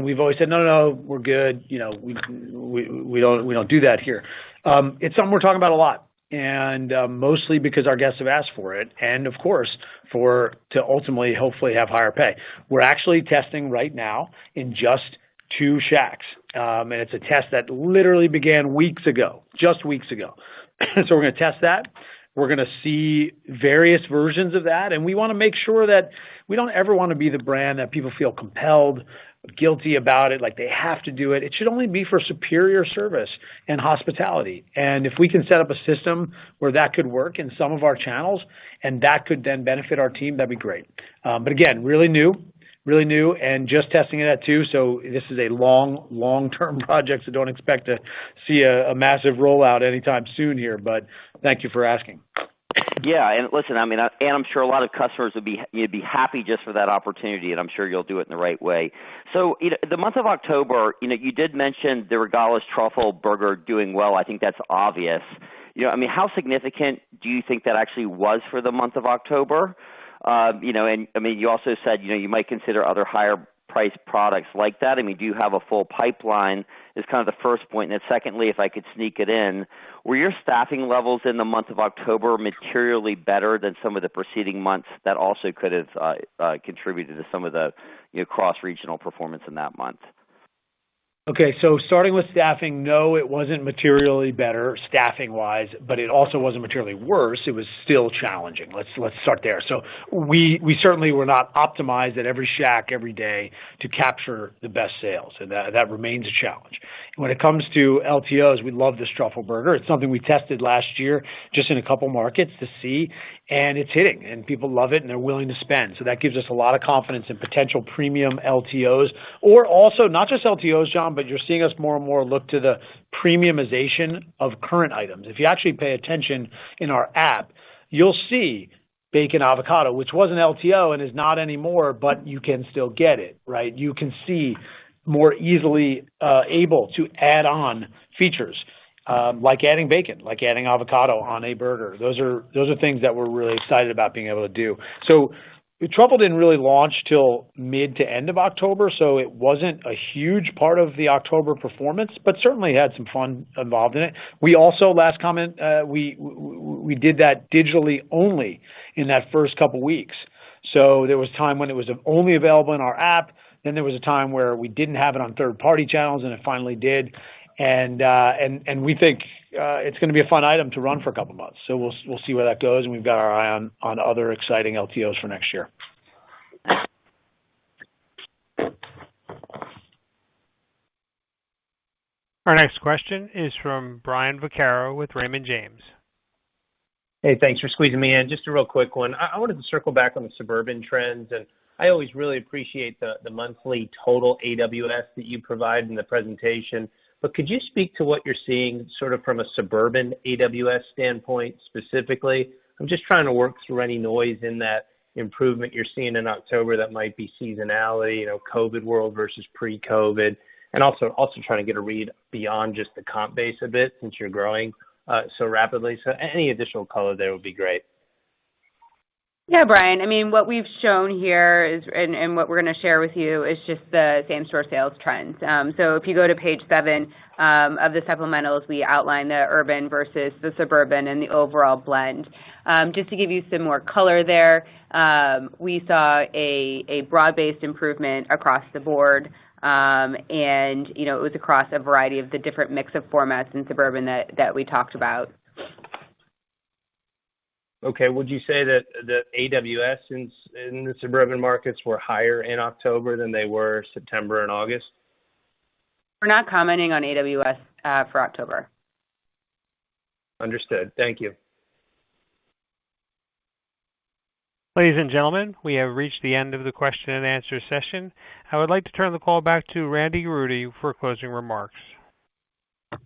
We've always said, "No, no, we're good. You know, we don't do that here." It's something we're talking about a lot, and mostly because our guests have asked for it, and of course, to ultimately, hopefully have higher pay. We're actually testing right now in just two Shacks, and it's a test that literally began weeks ago. We're gonna test that. We're gonna see various versions of that, and we wanna make sure that we don't ever wanna be the brand that people feel compelled or guilty about it, like they have to do it. It should only be for superior service and hospitality. If we can set up a system where that could work in some of our channels and that could then benefit our team, that'd be great. Again, really new and just testing it at two. This is a long-term project, so don't expect to see a massive rollout anytime soon here, but thank you for asking. Yeah. Listen, I mean, and I'm sure a lot of customers would be, you know, be happy just for that opportunity, and I'm sure you'll do it in the right way. You know, the month of October, you know, you did mention the Black Truffle Burger doing well. I think that's obvious. You know, I mean, how significant do you think that actually was for the month of October? You know, and I mean, you also said, you know, you might consider other higher priced products like that. I mean, do you have a full pipeline? Is kind of the first point. Secondly, if I could sneak it in, were your staffing levels in the month of October materially better than some of the preceding months that also could have contributed to some of the, you know, cross-regional performance in that month? Okay. Starting with staffing, no, it wasn't materially better staffing-wise, but it also wasn't materially worse. It was still challenging. Let's start there. We certainly were not optimized at every Shack every day to capture the best sales. That remains a challenge. When it comes to LTOs, we love this Truffle Burger. It's something we tested last year just in a couple markets to see, and it's hitting, and people love it, and they're willing to spend. That gives us a lot of confidence in potential premium LTOs. Also not just LTOs, John, but you're seeing us more and more look to the premiumization of current items. If you actually pay attention in our app, you'll see Bacon Avocado, which was an LTO and is not anymore, but you can still get it, right? You can see more easily able to add on features like adding bacon, like adding avocado on a burger. Those are things that we're really excited about being able to do. The Truffle didn't really launch till mid to end of October, so it wasn't a huge part of the October performance, but certainly had some fun involved in it. We also, last comment, we did that digitally only in that first couple weeks. There was time when it was only available in our app, then there was a time where we didn't have it on third party channels, and it finally did. We think it's gonna be a fun item to run for a couple months. We'll see where that goes, and we've got our eye on other exciting LTOs for next year. Our next question is from Brian Vaccaro with Raymond James. Hey, thanks for squeezing me in. Just a real quick one. I wanted to circle back on the suburban trends, and I always really appreciate the monthly total AWS that you provide in the presentation. Could you speak to what you're seeing sort of from a suburban AWS standpoint, specifically? I'm just trying to work through any noise in that improvement you're seeing in October that might be seasonality, you know, COVID world versus pre-COVID. Also trying to get a read beyond just the comp base a bit since you're growing so rapidly. Any additional color there would be great. Yeah, Brian. I mean, what we've shown here is, and what we're gonna share with you is just the same store sales trends. If you go to page 7 of the supplementals, we outline the urban versus the suburban and the overall blend. Just to give you some more color there, we saw a broad-based improvement across the board, and you know, it was across a variety of the different mix of formats in suburban that we talked about. Okay. Would you say that the AWS in the suburban markets were higher in October than they were in September and August? We're not commenting on AWS for October. Understood. Thank you. Ladies and gentlemen, we have reached the end of the question and answer session. I would like to turn the call back to Randy Garutti for closing remarks.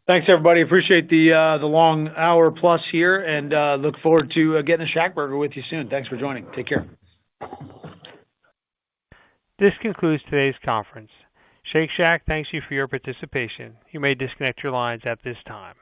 Thanks, everybody. Appreciate the long hour plus here and look forward to getting a ShackBurger with you soon. Thanks for joining. Take care. This concludes today's conference. Shake Shack thanks you for your participation. You may disconnect your lines at this time.